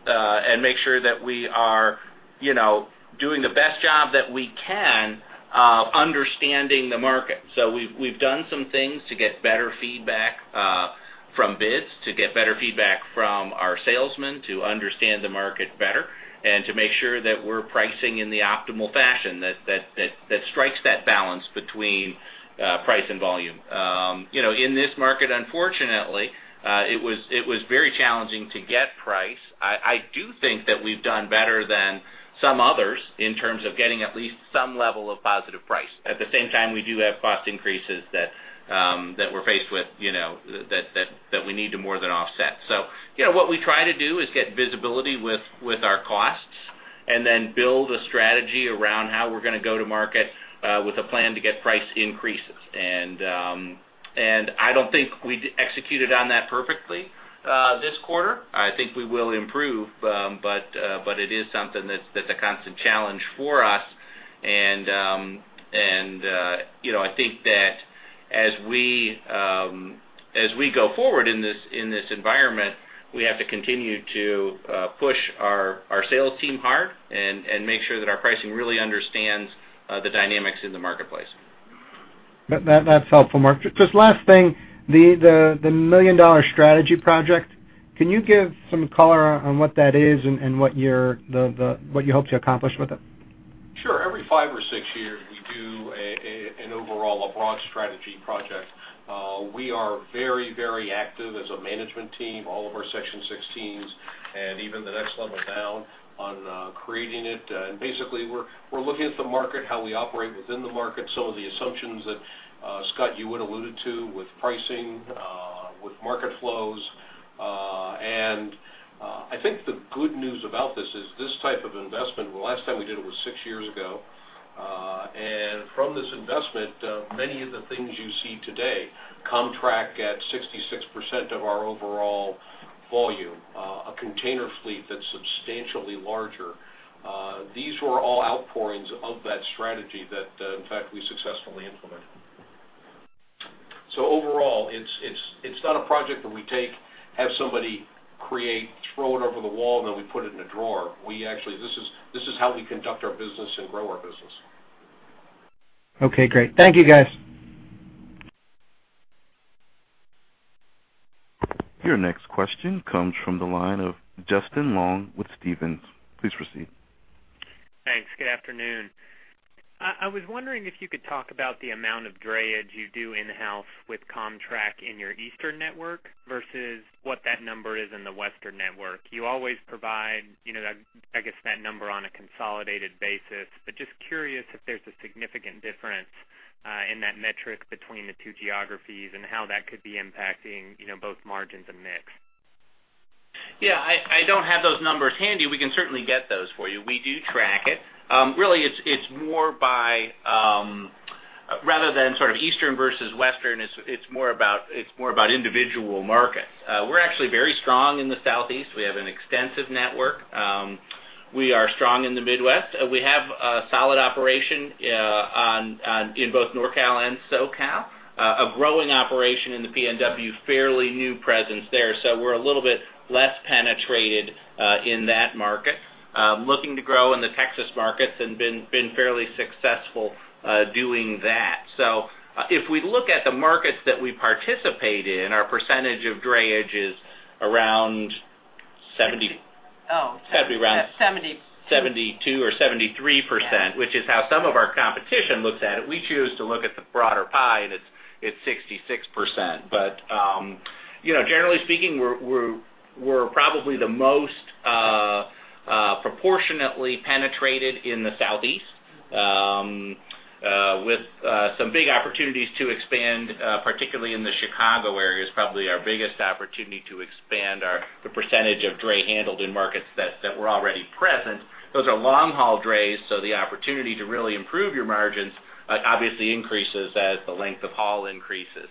and make sure that we are, you know, doing the best job that we can, understanding the market. So we've done some things to get better feedback from bids, to get better feedback from our salesmen, to understand the market better, and to make sure that we're pricing in the optimal fashion that strikes that balance between price and volume. You know, in this market, unfortunately, it was very challenging to get price. I do think that we've done better than some others in terms of getting at least some level of positive price. At the same time, we do have cost increases that we're faced with, you know, that we need to more than offset. So, you know, what we try to do is get visibility with our costs, and then build a strategy around how we're going to go to market with a plan to get price increases. And I don't think we executed on that perfectly this quarter. I think we will improve, but it is something that's a constant challenge for us. You know, I think that as we go forward in this environment, we have to continue to push our sales team hard and make sure that our pricing really understands the dynamics in the marketplace. That, that's helpful, Mark. Just last thing, the million-dollar strategy project, can you give some color on what that is and what you hope to accomplish with it? Sure. Every five or six years, we do an overall, a broad strategy project. We are very, very active as a management team, all of our Section 16 and even the next level down on creating it. And basically, we're looking at the market, how we operate within the market. Some of the assumptions that, Scott, you would alluded to with pricing, with market flows, and, I think the good news about this is, this type of investment, the last time we did it was six years ago, and from this investment, many of the things you see today, contract at 66% of our overall volume, a container fleet that's substantially larger. These were all outpourings of that strategy that, in fact, we successfully implemented. Overall, it's not a project that we take, have somebody create, throw it over the wall, and then we put it in a drawer. We actually, this is how we conduct our business and grow our business. Okay, great. Thank you, guys. Your next question comes from the line of Justin Long with Stephens. Please proceed. Thanks. Good afternoon. I was wondering if you could talk about the amount of drayage you do in-house with Comtrak in your Eastern network versus what that number is in the Western network. You always provide, you know, that, I guess, that number on a consolidated basis. But just curious if there's a significant difference in that metric between the two geographies and how that could be impacting, you know, both margins and mix. Yeah, I don't have those numbers handy. We can certainly get those for you. We do track it. Really, it's more by rather than sort of Eastern versus Western. It's more about individual markets. We're actually very strong in the Southeast. We have an extensive network. We are strong in the Midwest. We have a solid operation in both NorCal and SoCal, a growing operation in the PNW, fairly new presence there. So we're a little bit less penetrated in that market. Looking to grow in the Texas markets and been fairly successful doing that. So if we look at the markets that we participate in, our percentage of drayage is around 70%- Oh. It's got to be around- Seventy. 72 or 73%- Yeah... which is how some of our competition looks at it. We choose to look at the broader pie, and it's 66%. But you know, generally speaking, we're probably the most proportionately penetrated in the Southeast with some big opportunities to expand, particularly in the Chicago area, is probably our biggest opportunity to expand the percentage of dray handled in markets that we're already present. Those are long-haul drays, so the opportunity to really improve your margins obviously increases as the length of haul increases.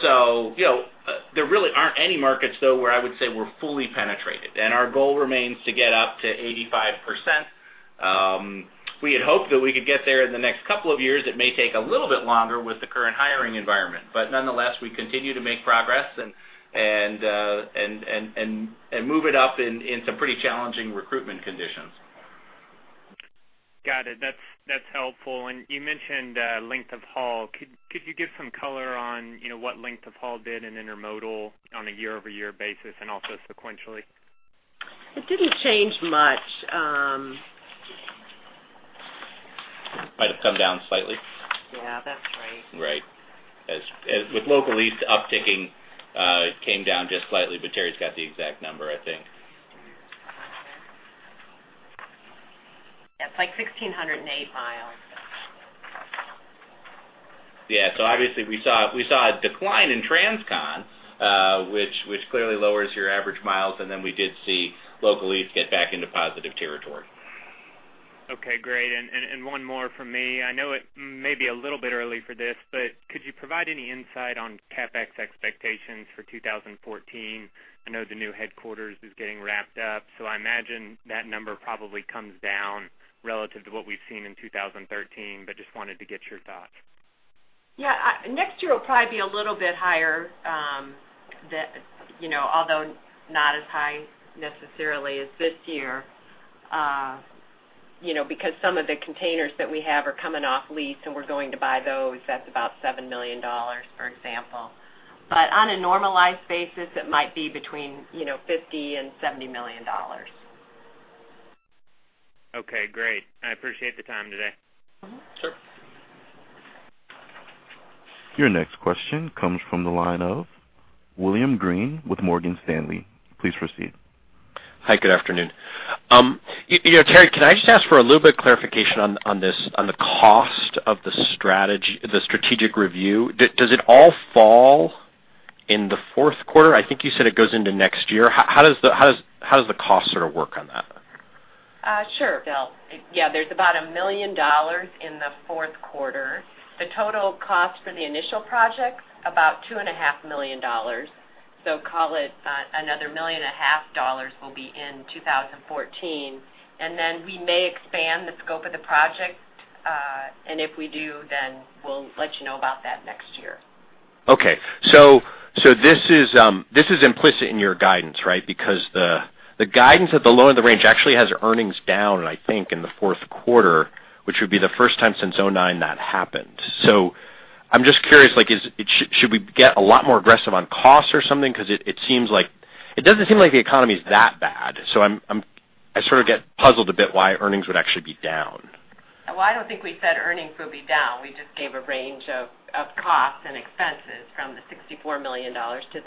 So you know, there really aren't any markets, though, where I would say we're fully penetrated, and our goal remains to get up to 85%. We had hoped that we could get there in the next couple of years. It may take a little bit longer with the current hiring environment. But nonetheless, we continue to make progress and move it up in some pretty challenging recruitment conditions. Got it. That's helpful. You mentioned length of haul. Could you give some color on what length of haul did in Intermodal on a year-over-year basis and also sequentially? It didn't change much. Might have come down slightly. Yeah, that's right. Right. As, as with local lease upticking, it came down just slightly, but Terry's got the exact number, I think. Yeah, it's like 1,608mi. Yeah, so obviously, we saw a decline in TransCon, which clearly lowers your average miles, and then we did see local lease get back into positive territory. Okay, great. And one more from me. I know it may be a little bit early for this, but could you provide any insight on CapEx expectations for 2014? I know the new headquarters is getting wrapped up, so I imagine that number probably comes down relative to what we've seen in 2013, but just wanted to get your thoughts. Yeah, next year will probably be a little bit higher, you know, although not as high necessarily as this year, you know, because some of the containers that we have are coming off lease, and we're going to buy those. That's about $7 million, for example. But on a normalized basis, it might be between, you know, $50 million and $70 million. Okay, great. I appreciate the time today. Mm-hmm. Sure. Your next question comes from the line of William Greene with Morgan Stanley. Please proceed. Hi, good afternoon. You know, Terri, can I just ask for a little bit of clarification on this, on the cost of the strategy- the strategic review? Does it all fall in the fourth quarter? I think you said it goes into next year. How does the cost sort of work on that? Sure, Bill. Yeah, there's about $1 million in the fourth quarter. The total cost for the initial project, about $2.5 million. So call it, another $1.5 million will be in 2014. And then we may expand the scope of the project, and if we do, then we'll let you know about that next year. Okay. So this is implicit in your guidance, right? Because the guidance at the low end of the range actually has earnings down, I think, in the fourth quarter, which would be the first time since 2009 that happened. So I'm just curious, like, should we get a lot more aggressive on cost or something? Because it seems like - it doesn't seem like the economy is that bad, so I'm, I sort of get puzzled a bit why earnings would actually be down. Well, I don't think we said earnings will be down. We just gave a range of costs and expenses from $64 million to $66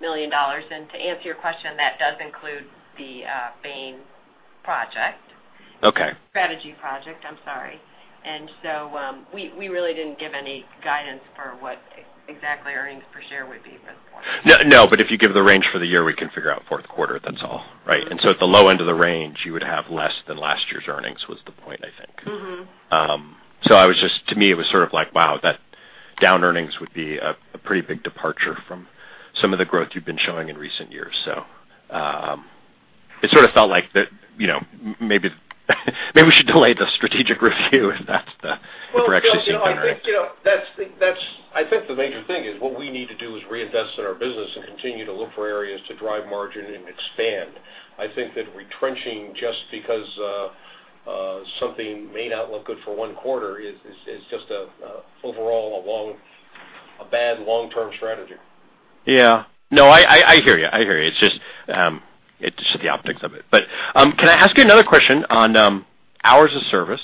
million. And to answer your question, that does include the Bain project. Okay. Strategy project, I'm sorry. And so, we really didn't give any guidance for what exactly earnings per share would be for the quarter. No, no, but if you give the range for the year, we can figure out fourth quarter. That's all, right? Mm-hmm. And so at the low end of the range, you would have less than last year's earnings, was the point, I think. Mm-hmm. So, I was just to me, it was sort of like, wow, that down earnings would be a pretty big departure from some of the growth you've been showing in recent years. So, it sort of felt like that, you know, maybe, maybe we should delay the strategic review if that's the direction you're going in. Well, you know, I think, you know, that's the major thing is what we need to do is reinvest in our business and continue to look for areas to drive margin and expand. I think that retrenching just because something may not look good for one quarter is just an overall bad long-term strategy. Yeah. No, I hear you. I hear you. It's just, it's just the optics of it. But, can I ask you another question on, Hours of Service?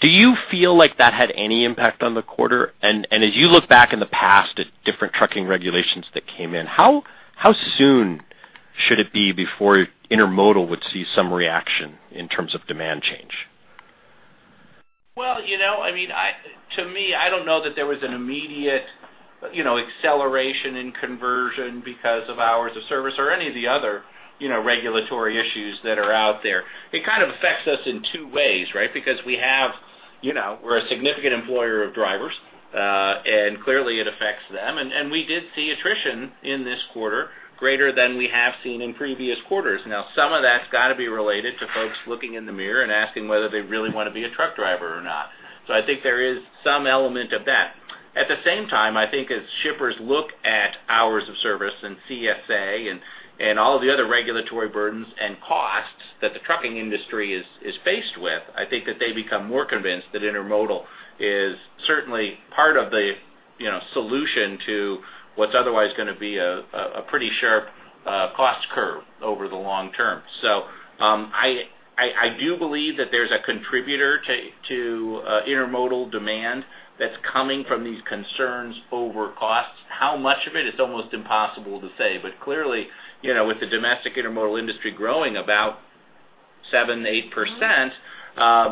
Do you feel like that had any impact on the quarter? And as you look back in the past at different trucking regulations that came in, how soon should it be before Intermodal would see some reaction in terms of demand change? Well, you know, I mean, to me, I don't know that there was an immediate, you know, acceleration in conversion because of Hours of Service or any of the other, you know, regulatory issues that are out there. It kind of affects us in two ways, right? Because we have, you know, we're a significant employer of drivers, and clearly, it affects them. And we did see attrition in this quarter greater than we have seen in previous quarters. Now, some of that's got to be related to folks looking in the mirror and asking whether they really want to be a truck driver or not. So I think there is some element of that. At the same time, I think as shippers look at Hours of Service and CSA and all the other regulatory burdens and costs that the trucking industry is faced with, I think that they become more convinced that intermodal is certainly part of the, you know, solution to what's otherwise gonna be a pretty sharp cost curve over the long term. So, I do believe that there's a contributor to intermodal demand that's coming from these concerns over costs. How much of it? It's almost impossible to say. But clearly, you know, with the domestic intermodal industry growing about 7%-8%,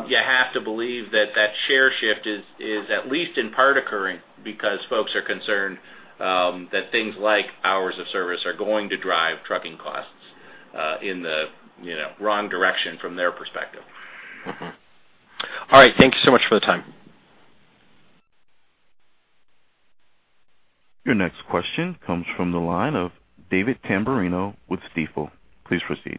you have to believe that that share shift is, is at least in part occurring because folks are concerned that things like hours of service are going to drive trucking costs in the, you know, wrong direction from their perspective. Mm-hmm. All right, thank you so much for the time. Your next question comes from the line of David Tamberrino with Stifel. Please proceed.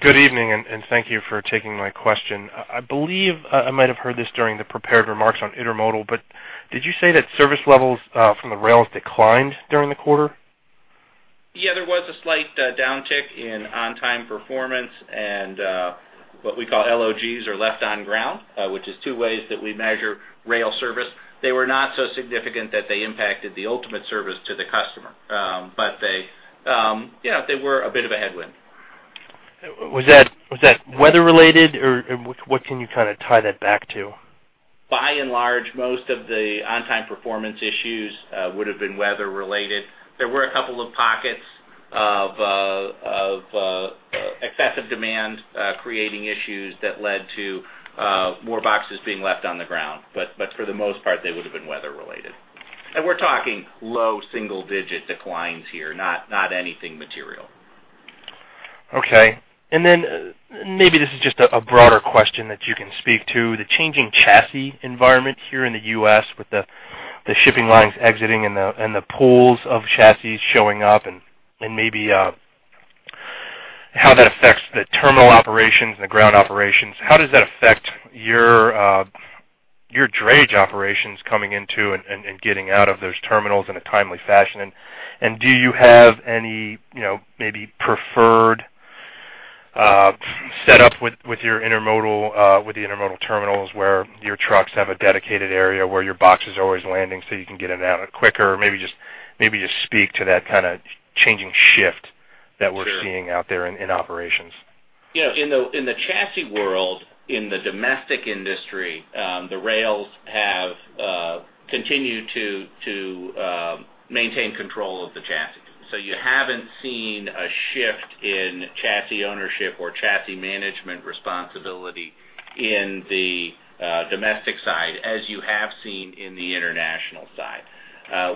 Good evening, and thank you for taking my question. I believe I might have heard this during the prepared remarks on intermodal, but did you say that service levels from the rails declined during the quarter? Yeah, there was a slight downtick in on-time performance and what we call LOGs, or left on ground, which is two ways that we measure rail service. They were not so significant that they impacted the ultimate service to the customer. But they, yeah, they were a bit of a headwind. Was that weather related, or what can you kind of tie that back to? By and large, most of the on-time performance issues would have been weather related. There were a couple of pockets of excessive demand creating issues that led to more boxes being left on the ground. But for the most part, they would have been weather related. And we're talking low single digit declines here, not anything material. Okay. And then maybe this is just a broader question that you can speak to. The changing chassis environment here in the U.S. with the shipping lines exiting and the pools of chassis showing up and maybe how that affects the terminal operations and the ground operations. How does that affect your drayage operations coming into and getting out of those terminals in a timely fashion? And do you have any, you know, maybe preferred setup with your intermodal with the intermodal terminals, where your trucks have a dedicated area where your box is always landing, so you can get them out quicker? Maybe just speak to that kind of changing shift- Sure... that we're seeing out there in operations. You know, in the chassis world, in the domestic industry, the rails have continued to maintain control of the chassis. So you haven't seen a shift in chassis ownership or chassis management responsibility in the domestic side, as you have seen in the international side.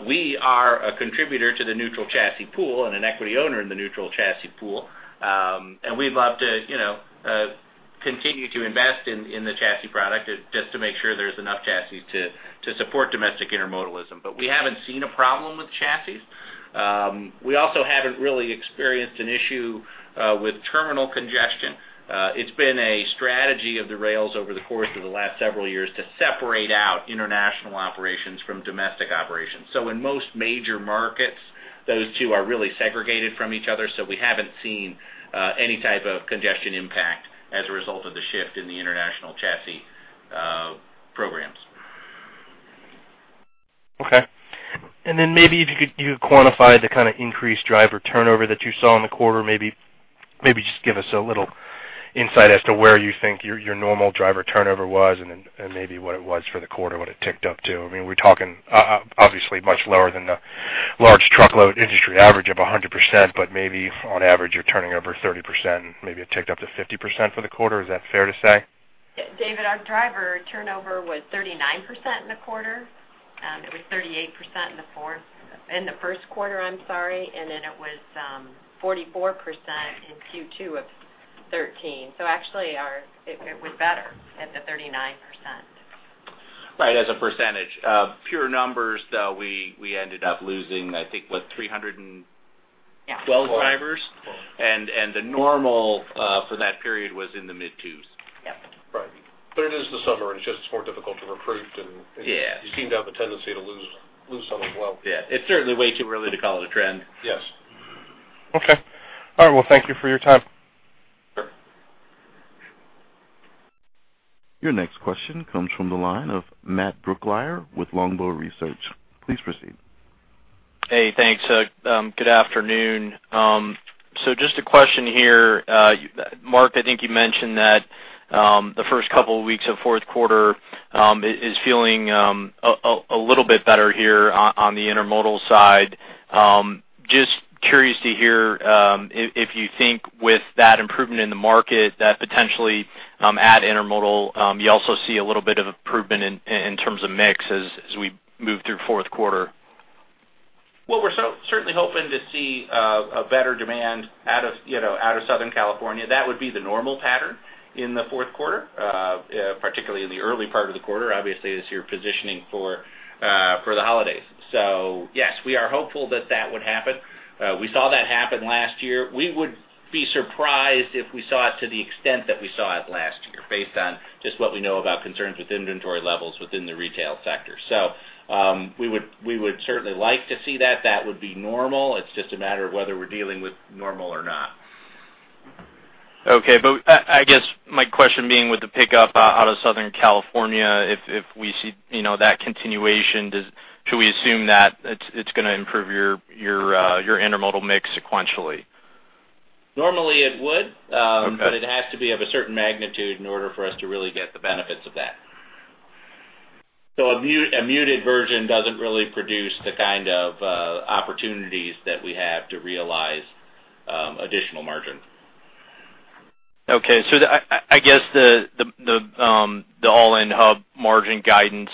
We are a contributor to the neutral chassis pool and an equity owner in the neutral chassis pool, and we'd love to, you know, continue to invest in the chassis product, just to make sure there's enough chassis to support domestic intermodal. But we haven't seen a problem with chassis. We also haven't really experienced an issue with terminal congestion. It's been a strategy of the rails over the course of the last several years to separate out international operations from domestic operations. So in most major markets, those two are really segregated from each other, so we haven't seen any type of congestion impact as a result of the shift in the international chassis programs. Okay. And then maybe if you could quantify the kind of increased driver turnover that you saw in the quarter, maybe just give us a little insight as to where you think your normal driver turnover was and then maybe what it was for the quarter, what it ticked up to. I mean, we're talking obviously much lower than the large truckload industry average of 100%, but maybe on average, you're turning over 30%, maybe it ticked up to 50% for the quarter. Is that fair to say? David, our driver turnover was 39% in the quarter. It was 38% in the first quarter, I'm sorry, and then it was 44% in Q2 of 2013. So actually, it was better at the 39%. Right, as a percentage. Pure numbers, though, we, we ended up losing, I think, what? 300 and- Yeah... 12 drivers. Twelve. And the normal for that period was in the mid-twos. Yep. Right. But it is the summer, and it's just more difficult to recruit, and- Yeah... you seem to have a tendency to lose some as well. Yeah. It's certainly way too early to call it a trend. Yes. Okay. All right, well, thank you for your time. Sure. Your next question comes from the line of Matt Brooklier with Longbow Research. Please proceed. Hey, thanks. Good afternoon. So just a question here. Mark, I think you mentioned that the first couple of weeks of fourth quarter is feeling a little bit better here on the intermodal side. Just curious to hear if you think with that improvement in the market, that potentially at intermodal you also see a little bit of improvement in terms of mix as we move through fourth quarter. Well, we're certainly hoping to see a better demand out of, you know, out of Southern California. That would be the normal pattern in the fourth quarter, particularly in the early part of the quarter. Obviously, as you're positioning for for the holidays. So yes, we are hopeful that that would happen. We saw that happen last year. We would be surprised if we saw it to the extent that we saw it last year, based on just what we know about concerns with inventory levels within the retail sector. So, we would, we would certainly like to see that. That would be normal. It's just a matter of whether we're dealing with normal or not.... Okay, but I guess my question being with the pickup out of Southern California, if we see, you know, that continuation, should we assume that it's gonna improve your intermodal mix sequentially? Normally, it would. Okay. But it has to be of a certain magnitude in order for us to really get the benefits of that. So a muted version doesn't really produce the kind of opportunities that we have to realize additional margin. Okay. So I guess the all-in Hub margin guidance,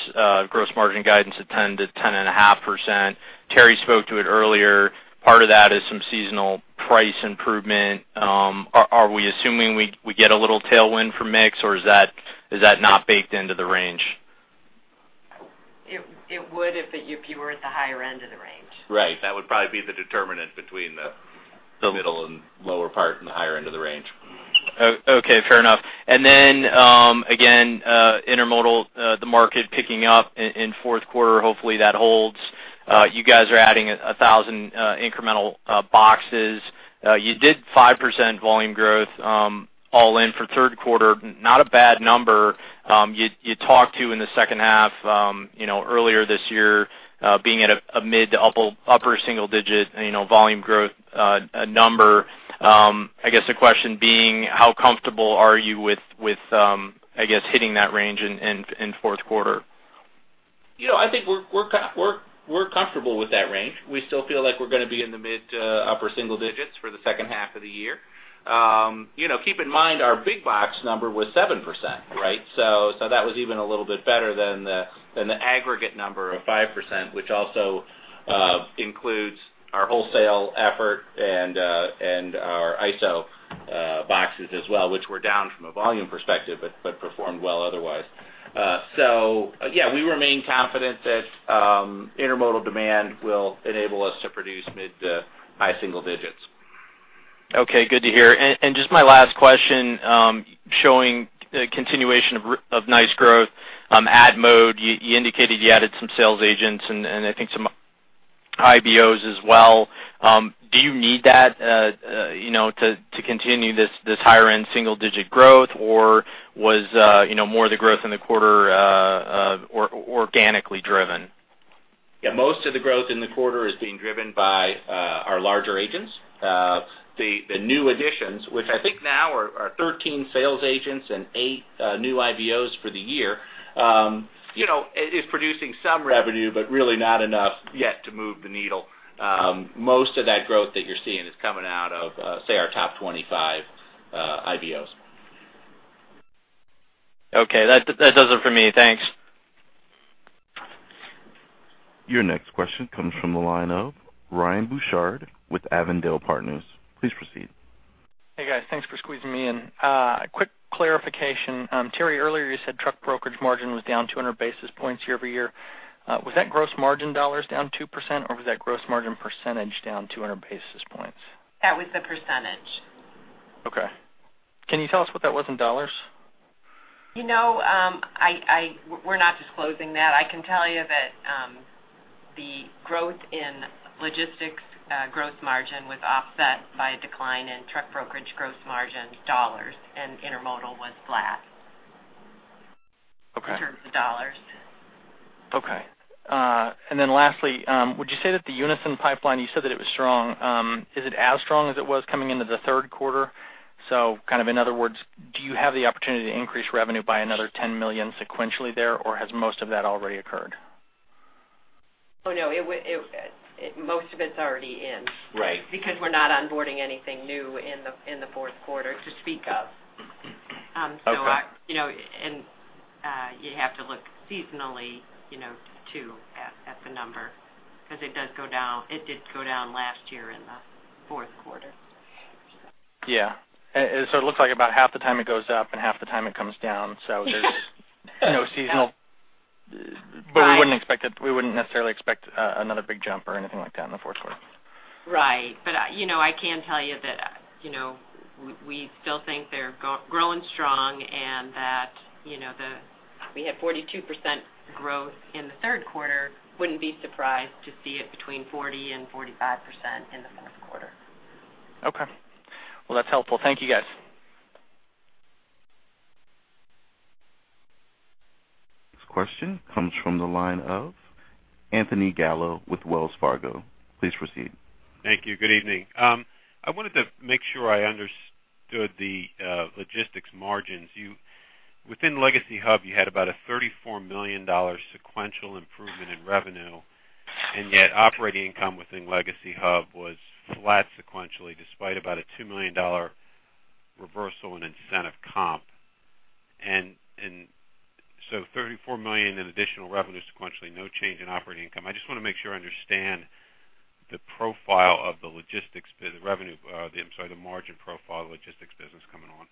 gross margin guidance of 10%-10.5%. Terry spoke to it earlier, part of that is some seasonal price improvement. Are we assuming we get a little tailwind from mix, or is that not baked into the range? It would if you were at the higher end of the range. Right. That would probably be the determinant between the middle and lower part and the higher end of the range. Oh, okay, fair enough. And then, again, intermodal, the market picking up in fourth quarter, hopefully, that holds. You guys are adding 1,000 incremental boxes. You did 5% volume growth, all in for third quarter. Not a bad number. You talked to in the second half, you know, earlier this year, being at a mid- to upper-single-digit, you know, volume growth number. I guess the question being, how comfortable are you with, I guess, hitting that range in fourth quarter? You know, I think we're comfortable with that range. We still feel like we're gonna be in the mid to upper single digits for the second half of the year. You know, keep in mind, our big box number was 7%, right? So, that was even a little bit better than the aggregate number of 5%, which also includes our wholesale effort and our ISO boxes as well, which were down from a volume perspective, but performed well otherwise. So yeah, we remain confident that intermodal demand will enable us to produce mid to high single digits. Okay, good to hear. And just my last question, showing a continuation of nice growth at Mode, you indicated you added some sales agents and I think some IBOs as well. Do you need that, you know, to continue this higher-end single-digit growth? Or was, you know, more of the growth in the quarter organically driven? Yeah, most of the growth in the quarter is being driven by our larger agents. The new additions, which I think now are 13 sales agents and 8 new IBOs for the year. You know, it is producing some revenue, but really not enough yet to move the needle. Most of that growth that you're seeing is coming out of, say, our top 25 IBOs. Okay, that, that does it for me. Thanks. Your next question comes from the line of Ryan Bouchard with Avondale Partners. Please proceed. Hey, guys. Thanks for squeezing me in. A quick clarification. Terry, earlier, you said truck brokerage margin was down 200 basis points year-over-year. Was that gross margin dollars down 2%, or was that gross margin percentage down 200 basis points? That was the percentage. Okay. Can you tell us what that was in dollars? You know,... We're not disclosing that. I can tell you that, the growth in logistics, gross margin was offset by a decline in truck brokerage gross margin dollars, and intermodal was flat- Okay in terms of dollars. Okay. And then lastly, would you say that the Unyson pipeline, you said that it was strong, is it as strong as it was coming into the third quarter? So kind of in other words, do you have the opportunity to increase revenue by another $10 million sequentially there, or has most of that already occurred? Oh, no, most of it's already in. Right. Because we're not onboarding anything new in the fourth quarter to speak of. So- Okay... you know, and you have to look seasonally, you know, too, at the number, because it does go down. It did go down last year in the fourth quarter. Yeah. And so it looks like about half the time it goes up and half the time it comes down. So there's- Yes. you know, seasonal Right. We wouldn't expect it, we wouldn't necessarily expect another big jump or anything like that in the fourth quarter. Right. But, you know, I can tell you that, you know, we still think they're growing strong and that, you know, we had 42% growth in the third quarter. Wouldn't be surprised to see it between 40% and 45% in the fourth quarter. Okay. Well, that's helpful. Thank you, guys. This question comes from the line of Anthony Gallo with Wells Fargo. Please proceed. Thank you. Good evening. I wanted to make sure I understood the logistics margins. You within Legacy Hub, you had about a $34 million sequential improvement in revenue, and yet operating income within Legacy Hub was flat sequentially, despite about a $2 million reversal in incentive comp. And so $34 million in additional revenue sequentially, no change in operating income. I just want to make sure I understand the profile of the logistics, the revenue, I'm sorry, the margin profile of the logistics business coming on.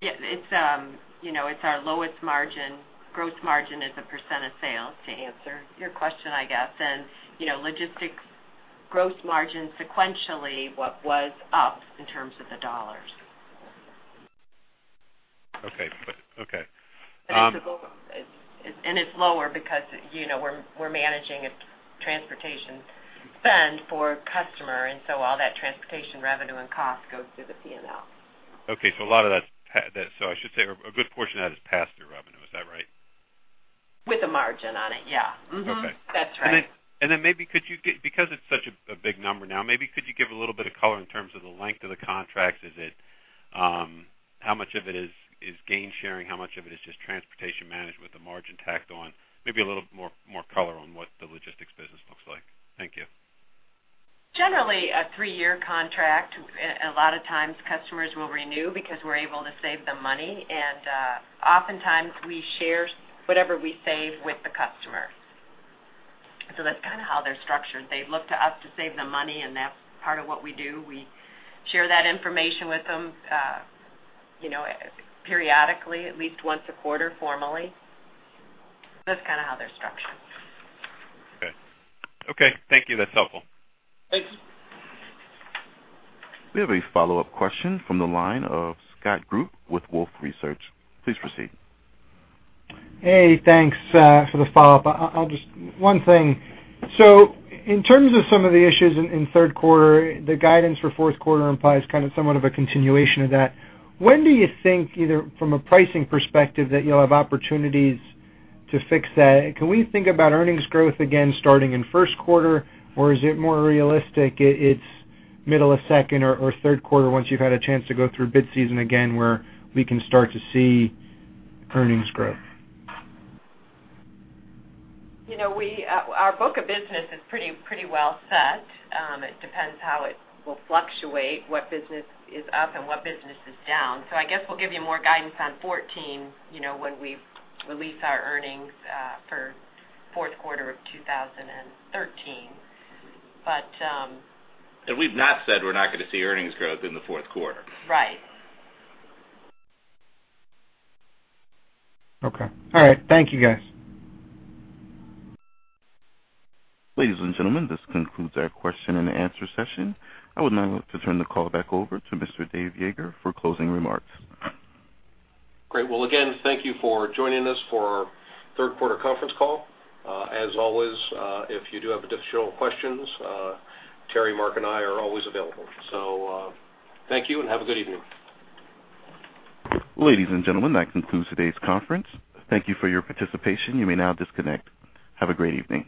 Yeah, it's, you know, it's our lowest margin. Gross margin is a % of sales, to answer your question, I guess. You know, logistics gross margin sequentially, what was up in terms of the dollars? ... Okay, but okay, It's and it's lower because, you know, we're managing a transportation spend for a customer, and so all that transportation revenue and cost goes through the P&L. Okay, so a lot of that's pass-through revenue. So I should say, a good portion of that is pass-through revenue. Is that right? With a margin on it, yeah. Mm-hmm. Okay. That's right. And then, and then maybe could you give—because it's such a big number now, maybe could you give a little bit of color in terms of the length of the contracts? Is it how much of it is gain sharing? How much of it is just transportation managed with the margin tacked on? Maybe a little more color on what the logistics business looks like. Thank you. Generally, a three-year contract. A lot of times customers will renew because we're able to save them money, and oftentimes we share whatever we save with the customer. So that's kind of how they're structured. They look to us to save them money, and that's part of what we do. We share that information with them, you know, periodically, at least once a quarter, formally. That's kind of how they're structured. Okay. Okay, thank you. That's helpful. Thank you. We have a follow-up question from the line of Scott Group with Wolfe Research. Please proceed. Hey, thanks for the follow-up. I'll just one thing. So in terms of some of the issues in third quarter, the guidance for fourth quarter implies kind of somewhat of a continuation of that. When do you think, either from a pricing perspective, that you'll have opportunities to fix that? Can we think about earnings growth again, starting in first quarter, or is it more realistic it's middle of second or third quarter, once you've had a chance to go through bid season again, where we can start to see earnings growth? You know, we, our book of business is pretty, pretty well set. It depends how it will fluctuate, what business is up and what business is down. So I guess we'll give you more guidance on 2014, you know, when we release our earnings, for fourth quarter of 2013. But, We've not said we're not going to see earnings growth in the fourth quarter. Right. Okay. All right. Thank you, guys. Ladies and gentlemen, this concludes our question-and-answer session. I would now like to turn the call back over to Mr. Dave Yeager for closing remarks. Great. Well, again, thank you for joining us for our third quarter conference call. As always, if you do have additional questions, Terry, Mark, and I are always available. So, thank you, and have a good evening. Ladies and gentlemen, that concludes today's conference. Thank you for your participation. You may now disconnect. Have a great evening.